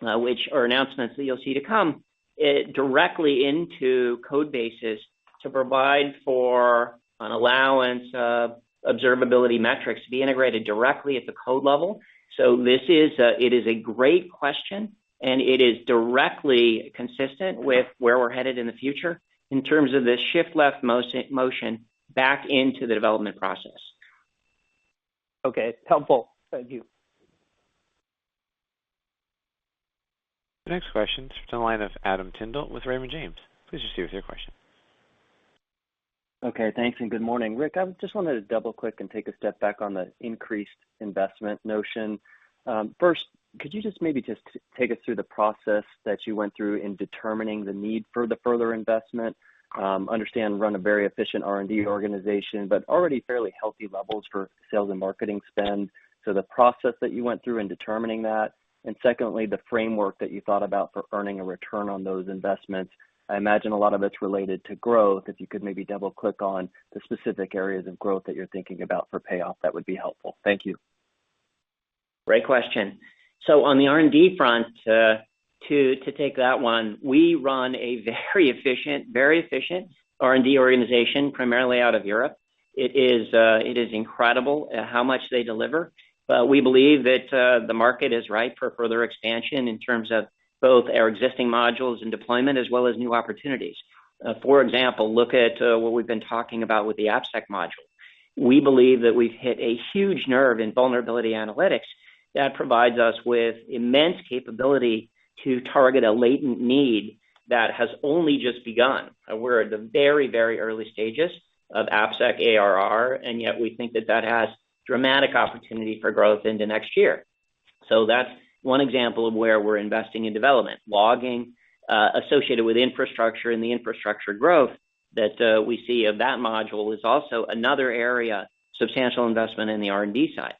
S3: which are announcements that you'll see to come, directly into code bases to provide for an allowance of observability metrics to be integrated directly at the code level. This is a great question, and it is directly consistent with where we're headed in the future in terms of the shift-left motion back into the development process.
S9: Okay. Helpful. Thank you.
S1: The next question is from the line of Adam Tindle with Raymond James. Please proceed with your question.
S10: Okay, thanks, and good morning. Rick, I just wanted to double-click and take a step back on the increased investment notion. First, could you just maybe take us through the process that you went through in determining the need for the further investment? I understand you run a very efficient R&D organization, but already fairly healthy levels for sales and marketing spend. The process that you went through in determining that, and secondly, the framework that you thought about for earning a return on those investments. I imagine a lot of it's related to growth. If you could maybe double-click on the specific areas of growth that you're thinking about for payoff, that would be helpful. Thank you.
S3: Great question. On the R&D front, to take that one, we run a very efficient R&D organization, primarily out of Europe. It is incredible at how much they deliver. We believe that the market is right for further expansion in terms of both our existing modules and deployment, as well as new opportunities. For example, look at what we've been talking about with the AppSec module. We believe that we've hit a huge nerve in vulnerability analytics that provides us with immense capability to target a latent need that has only just begun. We're at the very early stages of AppSec ARR, and yet we think that has dramatic opportunity for growth into next year. That's one example of where we're investing in development. Logging associated with infrastructure and the infrastructure growth that we see of that module is also another area, substantial investment in the R&D side.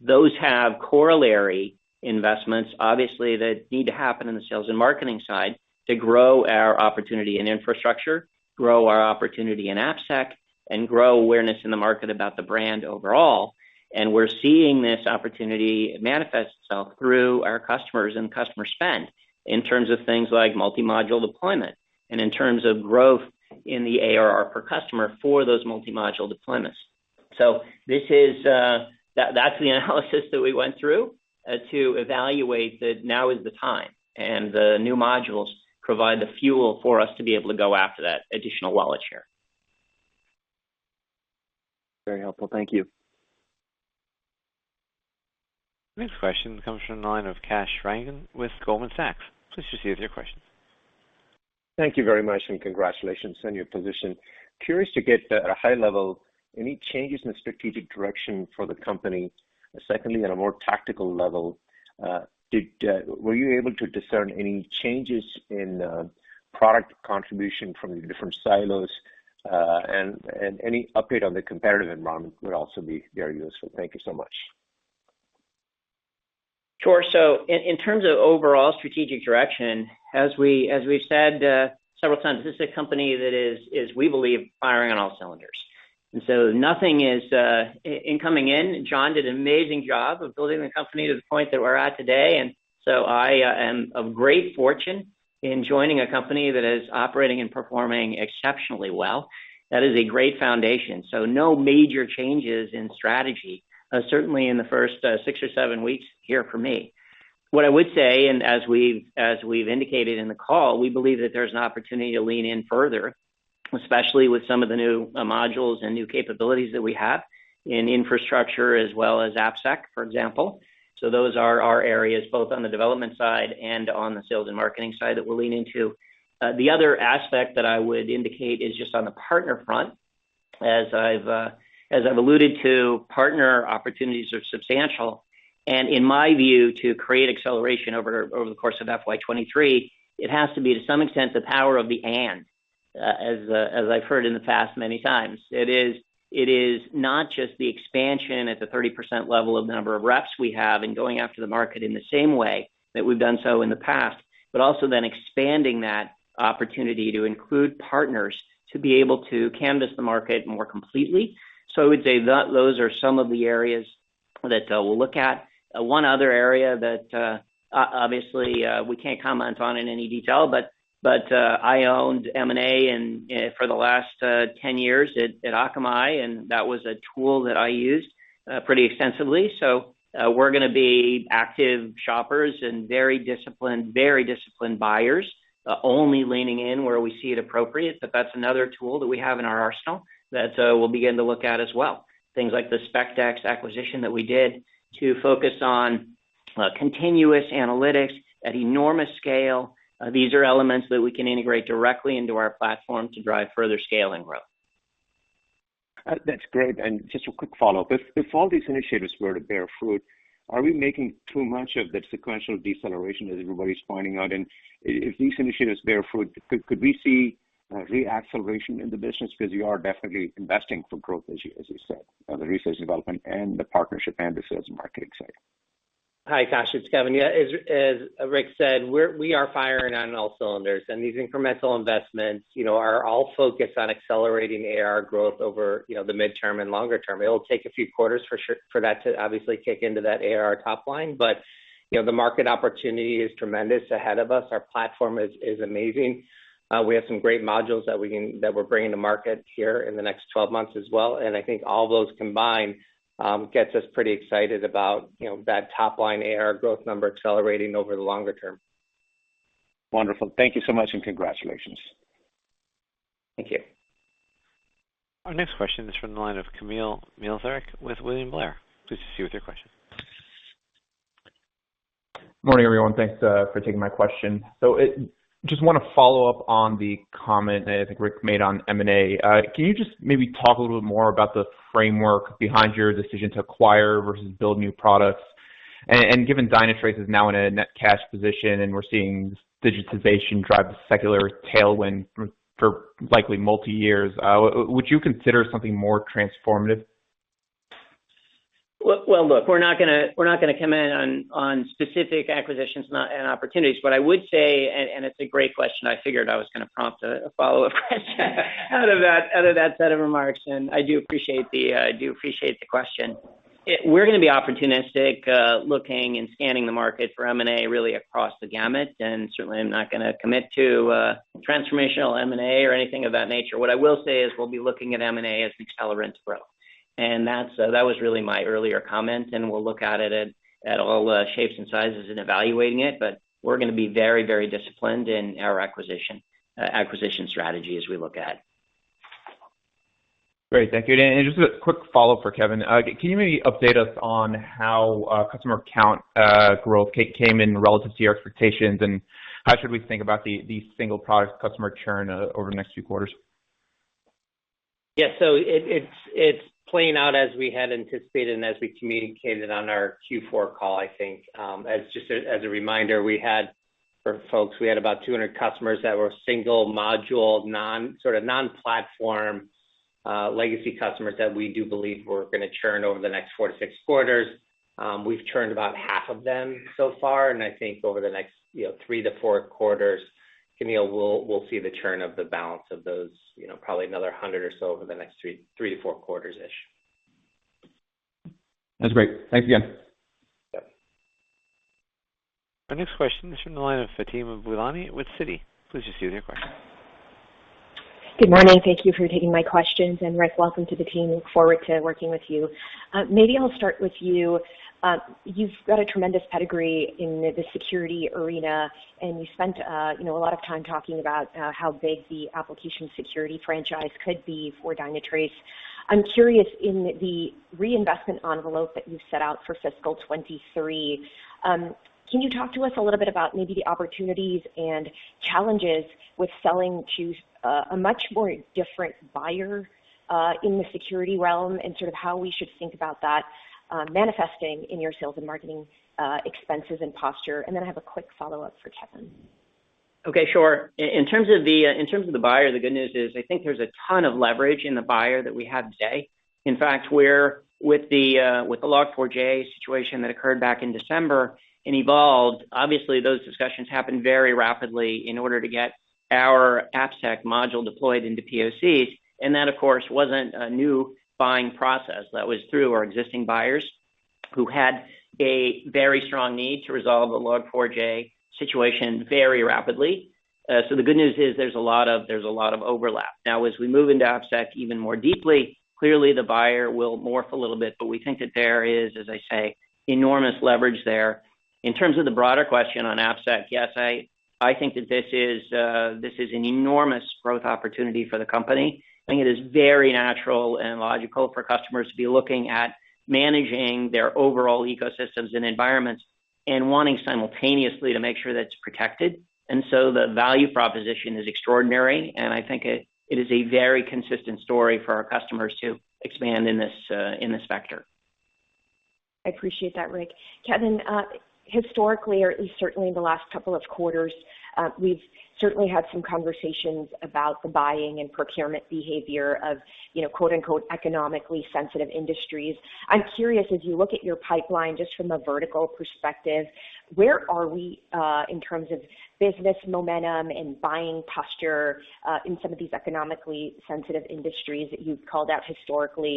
S3: Those have corollary investments, obviously, that need to happen in the sales and marketing side to grow our opportunity in infrastructure, grow our opportunity in AppSec, and grow awareness in the market about the brand overall. We're seeing this opportunity manifest itself through our customers and customer spend in terms of things like multi-module deployment and in terms of growth in the ARR per customer for those multi-module deployments. This is that's the analysis that we went through to evaluate that now is the time, and the new modules provide the fuel for us to be able to go after that additional wallet share.
S10: Very helpful. Thank you.
S1: Next question comes from the line of Kash Rangan with Goldman Sachs. Please proceed with your question.
S11: Thank you very much, and congratulations on your position. Curious to get at a high level any changes in the strategic direction for the company. Secondly, on a more tactical level, were you able to discern any changes in product contribution from the different silos? Any update on the competitive environment would also be very useful. Thank you so much.
S3: Sure. In terms of overall strategic direction, as we've said several times, this is a company that is, we believe, firing on all cylinders. Nothing is. In coming in, John did an amazing job of building the company to the point that we're at today. I am of great fortune in joining a company that is operating and performing exceptionally well. That is a great foundation. No major changes in strategy, certainly in the first six or seven weeks here for me. What I would say, and as we've indicated in the call, we believe that there's an opportunity to lean in further, especially with some of the new modules and new capabilities that we have in infrastructure as well as AppSec, for example. Those are our areas, both on the development side and on the sales and marketing side that we're leaning into. The other aspect that I would indicate is just on the partner front. As I've alluded to, partner opportunities are substantial. In my view, to create acceleration over the course of FY 2023, it has to be, to some extent, the power of the and, as I've heard in the past many times. It is not just the expansion at the 30% level of number of reps we have and going after the market in the same way that we've done so in the past, but also then expanding that opportunity to include partners to be able to canvass the market more completely. I would say that those are some of the areas that we'll look at. One other area that obviously we can't comment on in any detail, but I owned M&A and for the last 10 years at Akamai, and that was a tool that I used pretty extensively. We're gonna be active shoppers and very disciplined buyers, only leaning in where we see it appropriate. That's another tool that we have in our arsenal that we'll begin to look at as well. Things like the SpectX acquisition that we did to focus on continuous analytics at enormous scale. These are elements that we can integrate directly into our platform to drive further scale and growth.
S11: That's great. Just a quick follow-up. If all these initiatives were to bear fruit, are we making too much of the sequential deceleration that everybody's pointing out? If these initiatives bear fruit, could we see re-acceleration in the business? Because you are definitely investing for growth this year, as you said, on the research and development and the partnership and the sales and marketing side.
S4: Hi, Kash, it's Kevin. Yeah, as Rick said, we are firing on all cylinders, and these incremental investments, you know, are all focused on accelerating AR growth over, you know, the midterm and longer term. It'll take a few quarters for that to obviously kick into that AR top line. But, you know, the market opportunity is tremendous ahead of us. Our platform is amazing. We have some great modules that we're bringing to market here in the next 12 months as well. I think all those combined gets us pretty excited about, you know, that top line AR growth number accelerating over the longer term.
S11: Wonderful. Thank you so much, and congratulations.
S3: Thank you.
S1: Our next question is from the line of Kamil Mielczarek with William Blair. Please proceed with your question.
S12: Morning, everyone. Thanks for taking my question. Just wanna follow up on the comment that I think Rick made on M&A. Can you just maybe talk a little bit more about the framework behind your decision to acquire versus build new products? Given Dynatrace is now in a net cash position, and we're seeing digitization drive a secular tailwind for likely multi years, would you consider something more transformative?
S3: Well, look, we're not gonna comment on specific acquisitions and opportunities. What I would say, it's a great question. I figured I was gonna prompt a follow-up question out of that set of remarks, and I do appreciate the question. We're gonna be opportunistic, looking and scanning the market for M&A really across the gamut, and certainly I'm not gonna commit to transformational M&A or anything of that nature. What I will say is we'll be looking at M&A as accelerant growth. That's what was really my earlier comment, and we'll look at it at all shapes and sizes in evaluating it. We're gonna be very disciplined in our acquisition strategy as we look at it.
S12: Great. Thank you. Just a quick follow-up for Kevin. Can you maybe update us on how customer count growth came in relative to your expectations, and how should we think about the single product customer churn over the next few quarters?
S4: Yeah. It's playing out as we had anticipated and as we communicated on our Q4 call, I think. As a reminder, for folks, we had about 200 customers that were single module, sort of non-platform legacy customers that we do believe were gonna churn over the next four to six quarters. We've churned about half of them so far, and I think over the next, you know, three to four quarters, Kamil, we'll see the churn of the balance of those, you know, probably another 100 or so over the next three to four quarters-ish.
S12: That's great. Thanks again.
S3: Yep.
S1: Our next question is from the line of Fatima Boolani with Citi. Please proceed with your question.
S13: Good morning. Thank you for taking my questions. Rick, welcome to the team. Look forward to working with you. Maybe I'll start with you. You've got a tremendous pedigree in the security arena, and you spent, you know, a lot of time talking about how big the application security franchise could be for Dynatrace. I'm curious, in the reinvestment envelope that you've set out for fiscal 2023, can you talk to us a little bit about maybe the opportunities and challenges with selling to a much more different buyer in the security realm and sort of how we should think about that manifesting in your sales and marketing expenses and posture? Then I have a quick follow-up for Kevin.
S3: Okay, sure. In terms of the buyer, the good news is I think there's a ton of leverage in the buyer that we have today. In fact, we're with the Log4j situation that occurred back in December and evolved, obviously those discussions happened very rapidly in order to get our AppSec module deployed into POCs, and that of course wasn't a new buying process. That was through our existing buyers who had a very strong need to resolve the Log4j situation very rapidly. The good news is there's a lot of overlap. Now, as we move into AppSec even more deeply, clearly the buyer will morph a little bit, but we think that there is, as I say, enormous leverage there. In terms of the broader question on AppSec, yes, I think that this is an enormous growth opportunity for the company. I think it is very natural and logical for customers to be looking at managing their overall ecosystems and environments and wanting simultaneously to make sure that it's protected. The value proposition is extraordinary, and I think it is a very consistent story for our customers to expand in this sector.
S13: I appreciate that, Rick. Kevin, historically, or at least certainly in the last couple of quarters, we've certainly had some conversations about the buying and procurement behavior of, you know, quote-unquote, "economically sensitive industries." I'm curious, as you look at your pipeline just from a vertical perspective, where are we, in terms of business momentum and buying posture, in some of these economically sensitive industries that you've called out historically?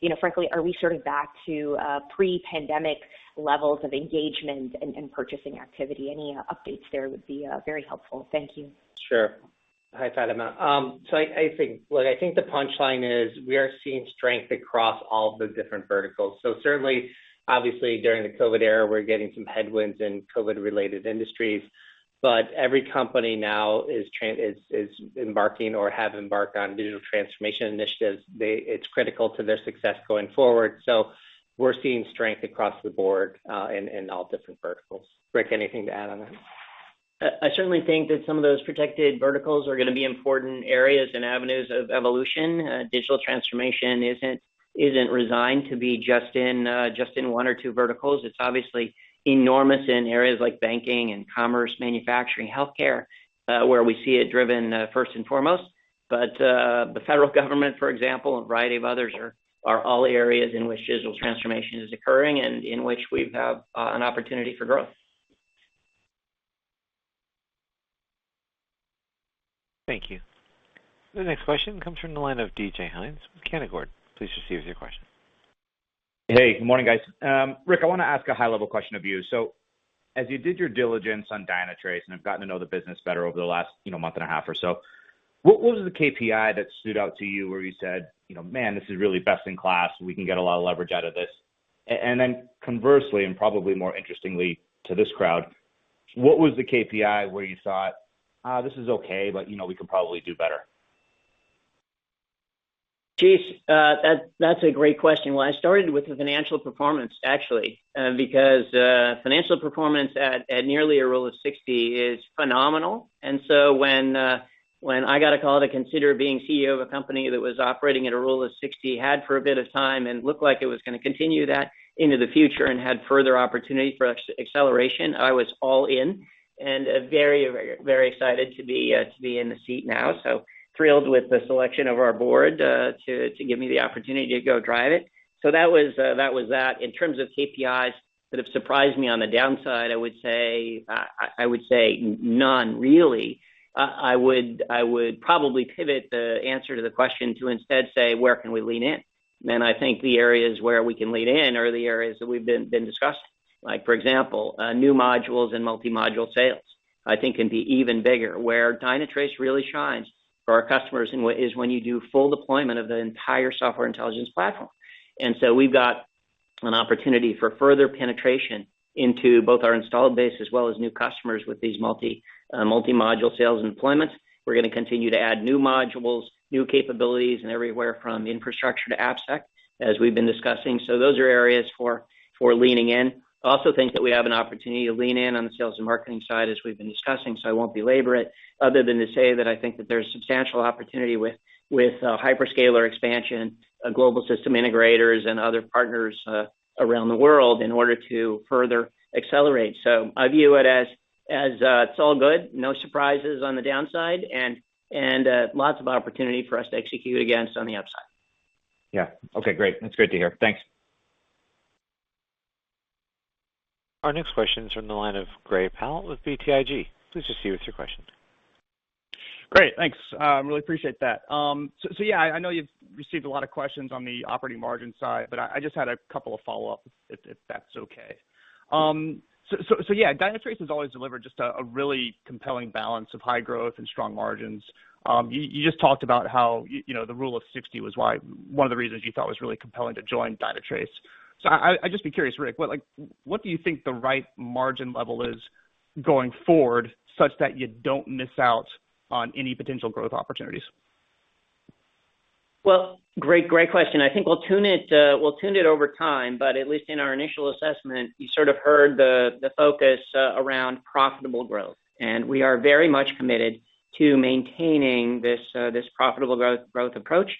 S13: you know, frankly, are we sort of back to, pre-pandemic levels of engagement and purchasing activity? Any updates there would be very helpful. Thank you.
S4: Sure. Hi, Fatima. Look, I think the punchline is we are seeing strength across all the different verticals. Certainly, obviously during the COVID era, we're getting some headwinds in COVID-related industries, but every company now is embarking or have embarked on digital transformation initiatives. It's critical to their success going forward. We're seeing strength across the board in all different verticals. Rick, anything to add on that?
S3: I certainly think that some of those protected verticals are gonna be important areas and avenues of evolution. Digital transformation isn't confined to be just in one or two verticals. It's obviously enormous in areas like banking and commerce, manufacturing, healthcare, where we see it driven first and foremost. The federal government, for example, a variety of others are all areas in which digital transformation is occurring and in which we have an opportunity for growth.
S1: Thank you. The next question comes from the line of DJ Hynes with Canaccord. Please proceed with your question.
S14: Hey, good morning, guys. Rick, I wanna ask a high-level question of you. As you did your diligence on Dynatrace, and have gotten to know the business better over the last, you know, month and a half or so, what was the KPI that stood out to you where you said, you know, "Man, this is really best in class. We can get a lot of leverage out of this"? Then conversely, and probably more interestingly to this crowd, what was the KPI where you thought, "Ah, this is okay, but, you know, we could probably do better"?
S3: Geez, that's a great question. Well, I started with the financial performance actually, because financial performance at nearly a rule of 60 is phenomenal. When I got a call to consider being CEO of a company that was operating at a rule of 60 for a bit of time and looked like it was gonna continue that into the future and had further opportunity for acceleration, I was all in and very excited to be in the seat now. Thrilled with the selection of our board to give me the opportunity to go drive it. That was that. In terms of KPIs that have surprised me on the downside, I would say none really. I would probably pivot the answer to the question to instead say, where can we lean in? I think the areas where we can lean in are the areas that we've been discussing, like for example, new modules and multi-module sales. I think they can be even bigger. Where Dynatrace really shines for our customers is when you do full deployment of the entire software intelligence platform. We've got an opportunity for further penetration into both our installed base as well as new customers with these multi-module sales and deployments. We're gonna continue to add new modules, new capabilities, and everywhere from infrastructure to AppSec, as we've been discussing. Those are areas for leaning in. I also think that we have an opportunity to lean in on the sales and marketing side as we've been discussing, so I won't belabor it other than to say that I think that there's substantial opportunity with hyperscaler expansion, global system integrators and other partners around the world in order to further accelerate. I view it as it's all good. No surprises on the downside and lots of opportunity for us to execute against on the upside.
S14: Yeah. Okay, great. That's great to hear. Thanks.
S1: Our next question is from the line of Gray Powell with BTIG. Please proceed with your question.
S15: Great, thanks. I really appreciate that. Yeah, I know you've received a lot of questions on the operating margin side, but I just had a couple of follow-up if that's okay. Yeah, Dynatrace has always delivered just a really compelling balance of high growth and strong margins. You just talked about how you know, the rule of 60 was one of the reasons you thought was really compelling to join Dynatrace. I’d just be curious, Rick, what, like, what do you think the right margin level is going forward such that you don't miss out on any potential growth opportunities?
S3: Well, great question. I think we'll tune it over time, but at least in our initial assessment, you sort of heard the focus around profitable growth. We are very much committed to maintaining this profitable growth approach.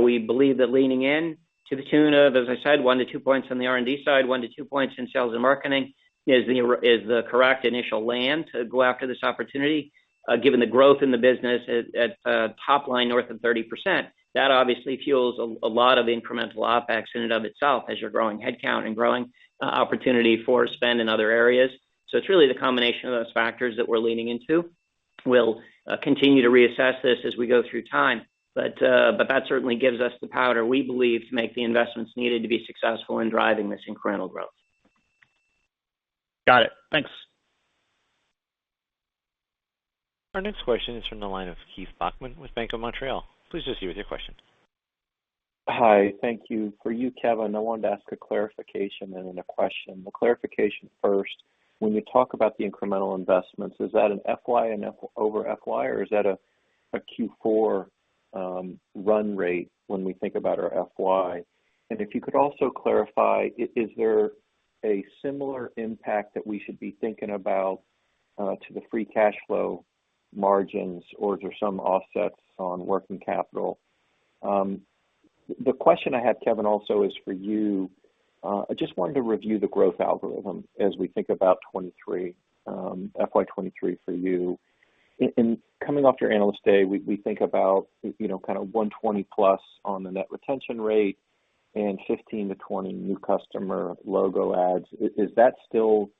S3: We believe that leaning in to the tune of, as I said, one to two points on the R&D side, one to two points in sales and marketing is the correct initial land to go after this opportunity, given the growth in the business at top line north of 30%. That obviously fuels a lot of incremental OpEx in and of itself as you're growing headcount and growing opportunity for spend in other areas. It's really the combination of those factors that we're leaning into. We'll continue to reassess this as we go through time. That certainly gives us the powder we believe to make the investments needed to be successful in driving this incremental growth.
S15: Got it. Thanks.
S1: Our next question is from the line of Keith Bachman with Bank of Montreal. Please go ahead with your question.
S16: Hi. Thank you. For you, Kevin, I wanted to ask a clarification and then a question. The clarification first. When you talk about the incremental investments, is that an FY-over-FY, or is that a Q4 run rate when we think about our FY? And if you could also clarify, is there a similar impact that we should be thinking about to the free cash flow margins, or is there some offsets on working capital? The question I had, Kevin, also is for you. I just wanted to review the growth algorithm as we think about FY 2023 for you. And coming off your Analyst Day, we think about, you know, kind of 120+ on the net retention rate and 15-20 new customer logo adds. Is that still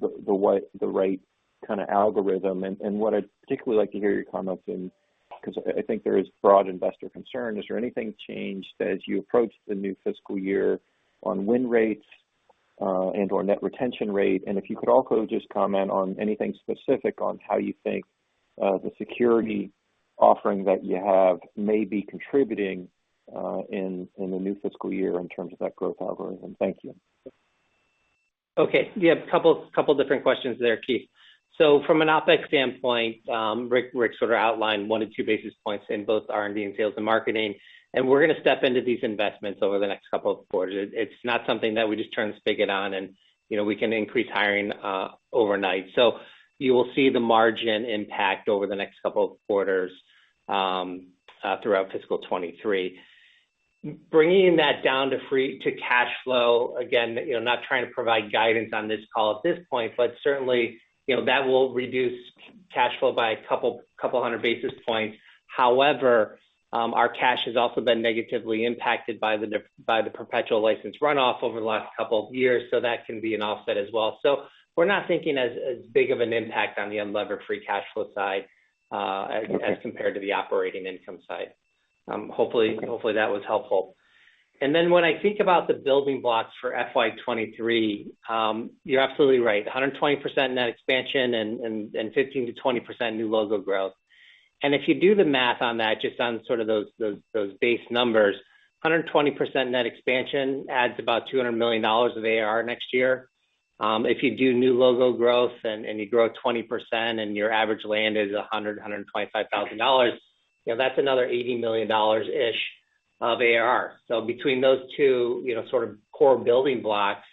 S16: the right kinda algorithm? What I'd particularly like to hear your comments in, 'cause I think there is broad investor concern, is there anything changed as you approach the new fiscal year on win rates, and/or net retention rate? If you could also just comment on anything specific on how you think, the security offering that you have may be contributing, in the new fiscal year in terms of that growth algorithm. Thank you.
S4: Okay. You have a couple different questions there, Keith. From an OpEx standpoint, Rick sort of outlined one to two basis points in both R&D and sales and marketing, and we're gonna step into these investments over the next couple of quarters. It's not something that we just turn the spigot on and, you know, we can increase hiring overnight. You will see the margin impact over the next couple of quarters throughout fiscal 2023. Bringing that down to free cash flow, again, you know, not trying to provide guidance on this call at this point, but certainly, you know, that will reduce cash flow by a couple hundred basis points. However, our cash has also been negatively impacted by the perpetual license runoff over the last couple of years, so that can be an offset as well. We're not thinking as big of an impact on the unlevered free cash flow side, as........
S16: Okay...
S4: compared to the operating income side. Hopefully that was helpful. When I think about the building blocks for FY 2023, you're absolutely right, 120% net expansion and 15%-20% new logo growth. If you do the math on that, just on sort of those base numbers, 120% net expansion adds about $200 million of ARR next year. If you do new logo growth and you grow 20% and your average land is $125,000, you know, that's another 80 million-ish of ARR. Between those two, you know, sort of core building blocks,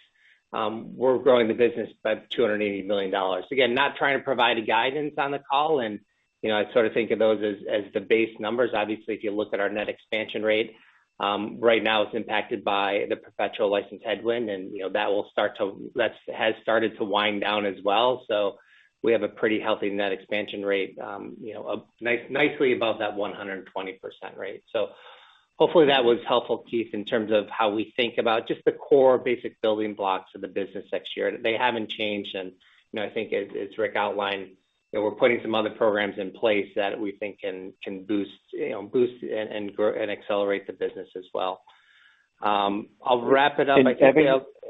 S4: we're growing the business by $280 million. Again, not trying to provide guidance on the call and, you know, I sort of think of those as the base numbers. Obviously, if you look at our net expansion rate, right now it's impacted by the perpetual license headwind and, you know, that's started to wind down as well. We have a pretty healthy net expansion rate, you know, nicely above that 120% rate. Hopefully that was helpful, Keith, in terms of how we think about just the core basic building blocks of the business next year. They haven't changed and, you know, I think as Rick outlined, you know, we're putting some other programs in place that we think can boost, you know, boost and grow, and accelerate the business as well. I'll wrap it up.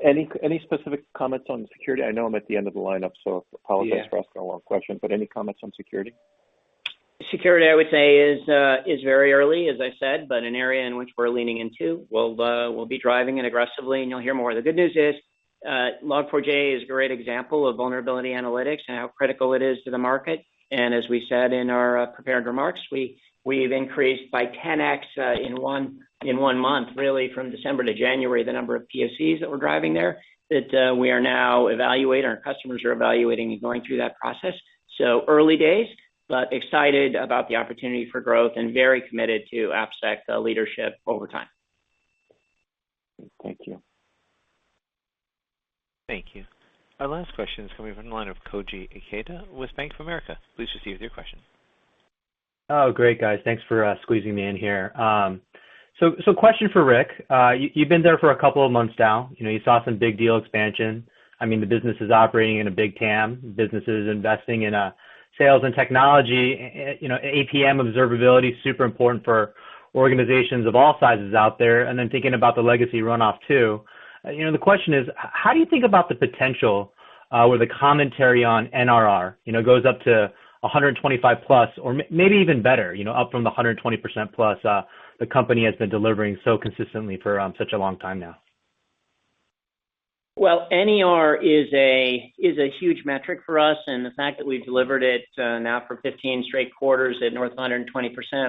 S16: Any specific comments on security? I know I'm at the end of the lineup, so apologies for asking a long question, but any comments on security?
S3: Security, I would say is very early, as I said, but an area in which we're leaning into. We'll be driving it aggressively, and you'll hear more. The good news is, Log4j is a great example of vulnerability analytics and how critical it is to the market. As we said in our prepared remarks, we've increased by 10x in one month, really from December to January, the number of POCs that we're driving there that we are now evaluating, our customers are evaluating and going through that process. Early days, but excited about the opportunity for growth and very committed to AppSec leadership over time.
S16: Thank you.
S1: Thank you. Our last question is coming from the line of Koji Ikeda with Bank of America. Please proceed with your question.
S17: Oh, great, guys. Thanks for squeezing me in here. Question for Rick. You've been there for a couple of months now. You know, you saw some big deal expansion. I mean, the business is operating in a big TAM. Business is investing in sales and technology. You know, APM observability is super important for organizations of all sizes out there. Thinking about the legacy runoff too. You know, the question is: How do you think about the potential or the commentary on NRR? You know, it goes up to 125%+ or maybe even better, you know, up from the 120%+, the company has been delivering so consistently for such a long time now.
S3: Well, NRR is a huge metric for us, and the fact that we've delivered it now for 15 straight quarters at north of 120%,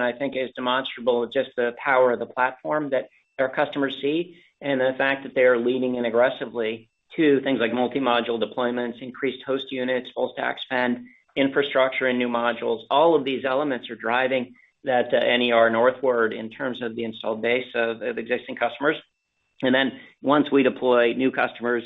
S3: I think is demonstrable of just the power of the platform that our customers see and the fact that they are leaning in aggressively to things like multi-module deployments, increased host units, full stack spend, infrastructure and new modules. All of these elements are driving that NRR northward in terms of the installed base of existing customers. Then once we deploy new customers,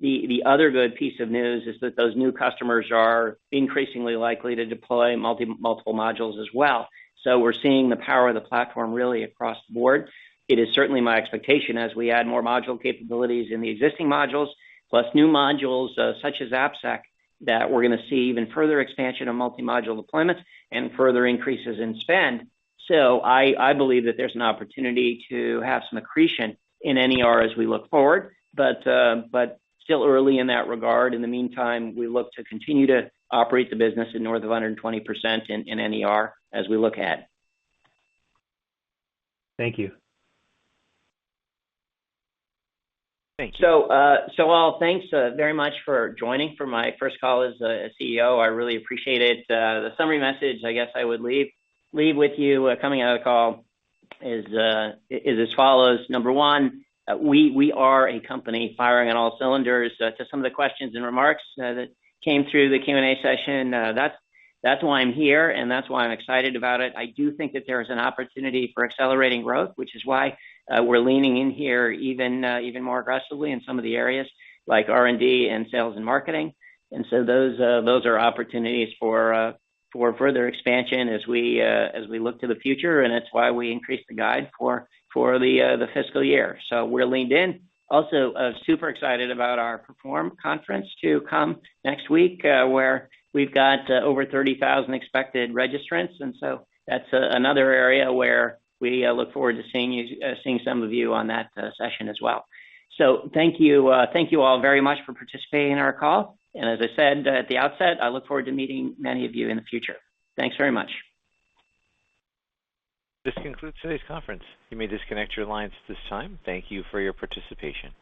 S3: the other good piece of news is that those new customers are increasingly likely to deploy multiple modules as well. We're seeing the power of the platform really across the board. It is certainly my expectation as we add more module capabilities in the existing modules, plus new modules, such as AppSec, that we're gonna see even further expansion of multi-module deployments and further increases in spend. I believe that there's an opportunity to have some accretion in NRR as we look forward, but still early in that regard. In the meantime, we look to continue to operate the business at north of 120% in NRR as we look ahead.
S17: Thank you.
S1: Thank you.
S3: Thanks very much for joining for my first call as a CEO. I really appreciate it. The summary message I guess I would leave with you coming out of the call is as follows. Number one, we are a company firing on all cylinders. To some of the questions and remarks that came through the Q&A session, that's why I'm here, and that's why I'm excited about it. I do think that there is an opportunity for accelerating growth, which is why we're leaning in here even more aggressively in some of the areas like R&D and sales and marketing. Those are opportunities for further expansion as we look to the future, and it's why we increased the guide for the fiscal year. We're leaned in. Also, super excited about our Perform conference to come next week, where we've got over 30,000 expected registrants. That's another area where we look forward to seeing some of you on that session as well. Thank you. Thank you all very much for participating in our call. As I said at the outset, I look forward to meeting many of you in the future. Thanks very much.
S1: This concludes today's conference. You may disconnect your lines at this time. Thank you for your participation.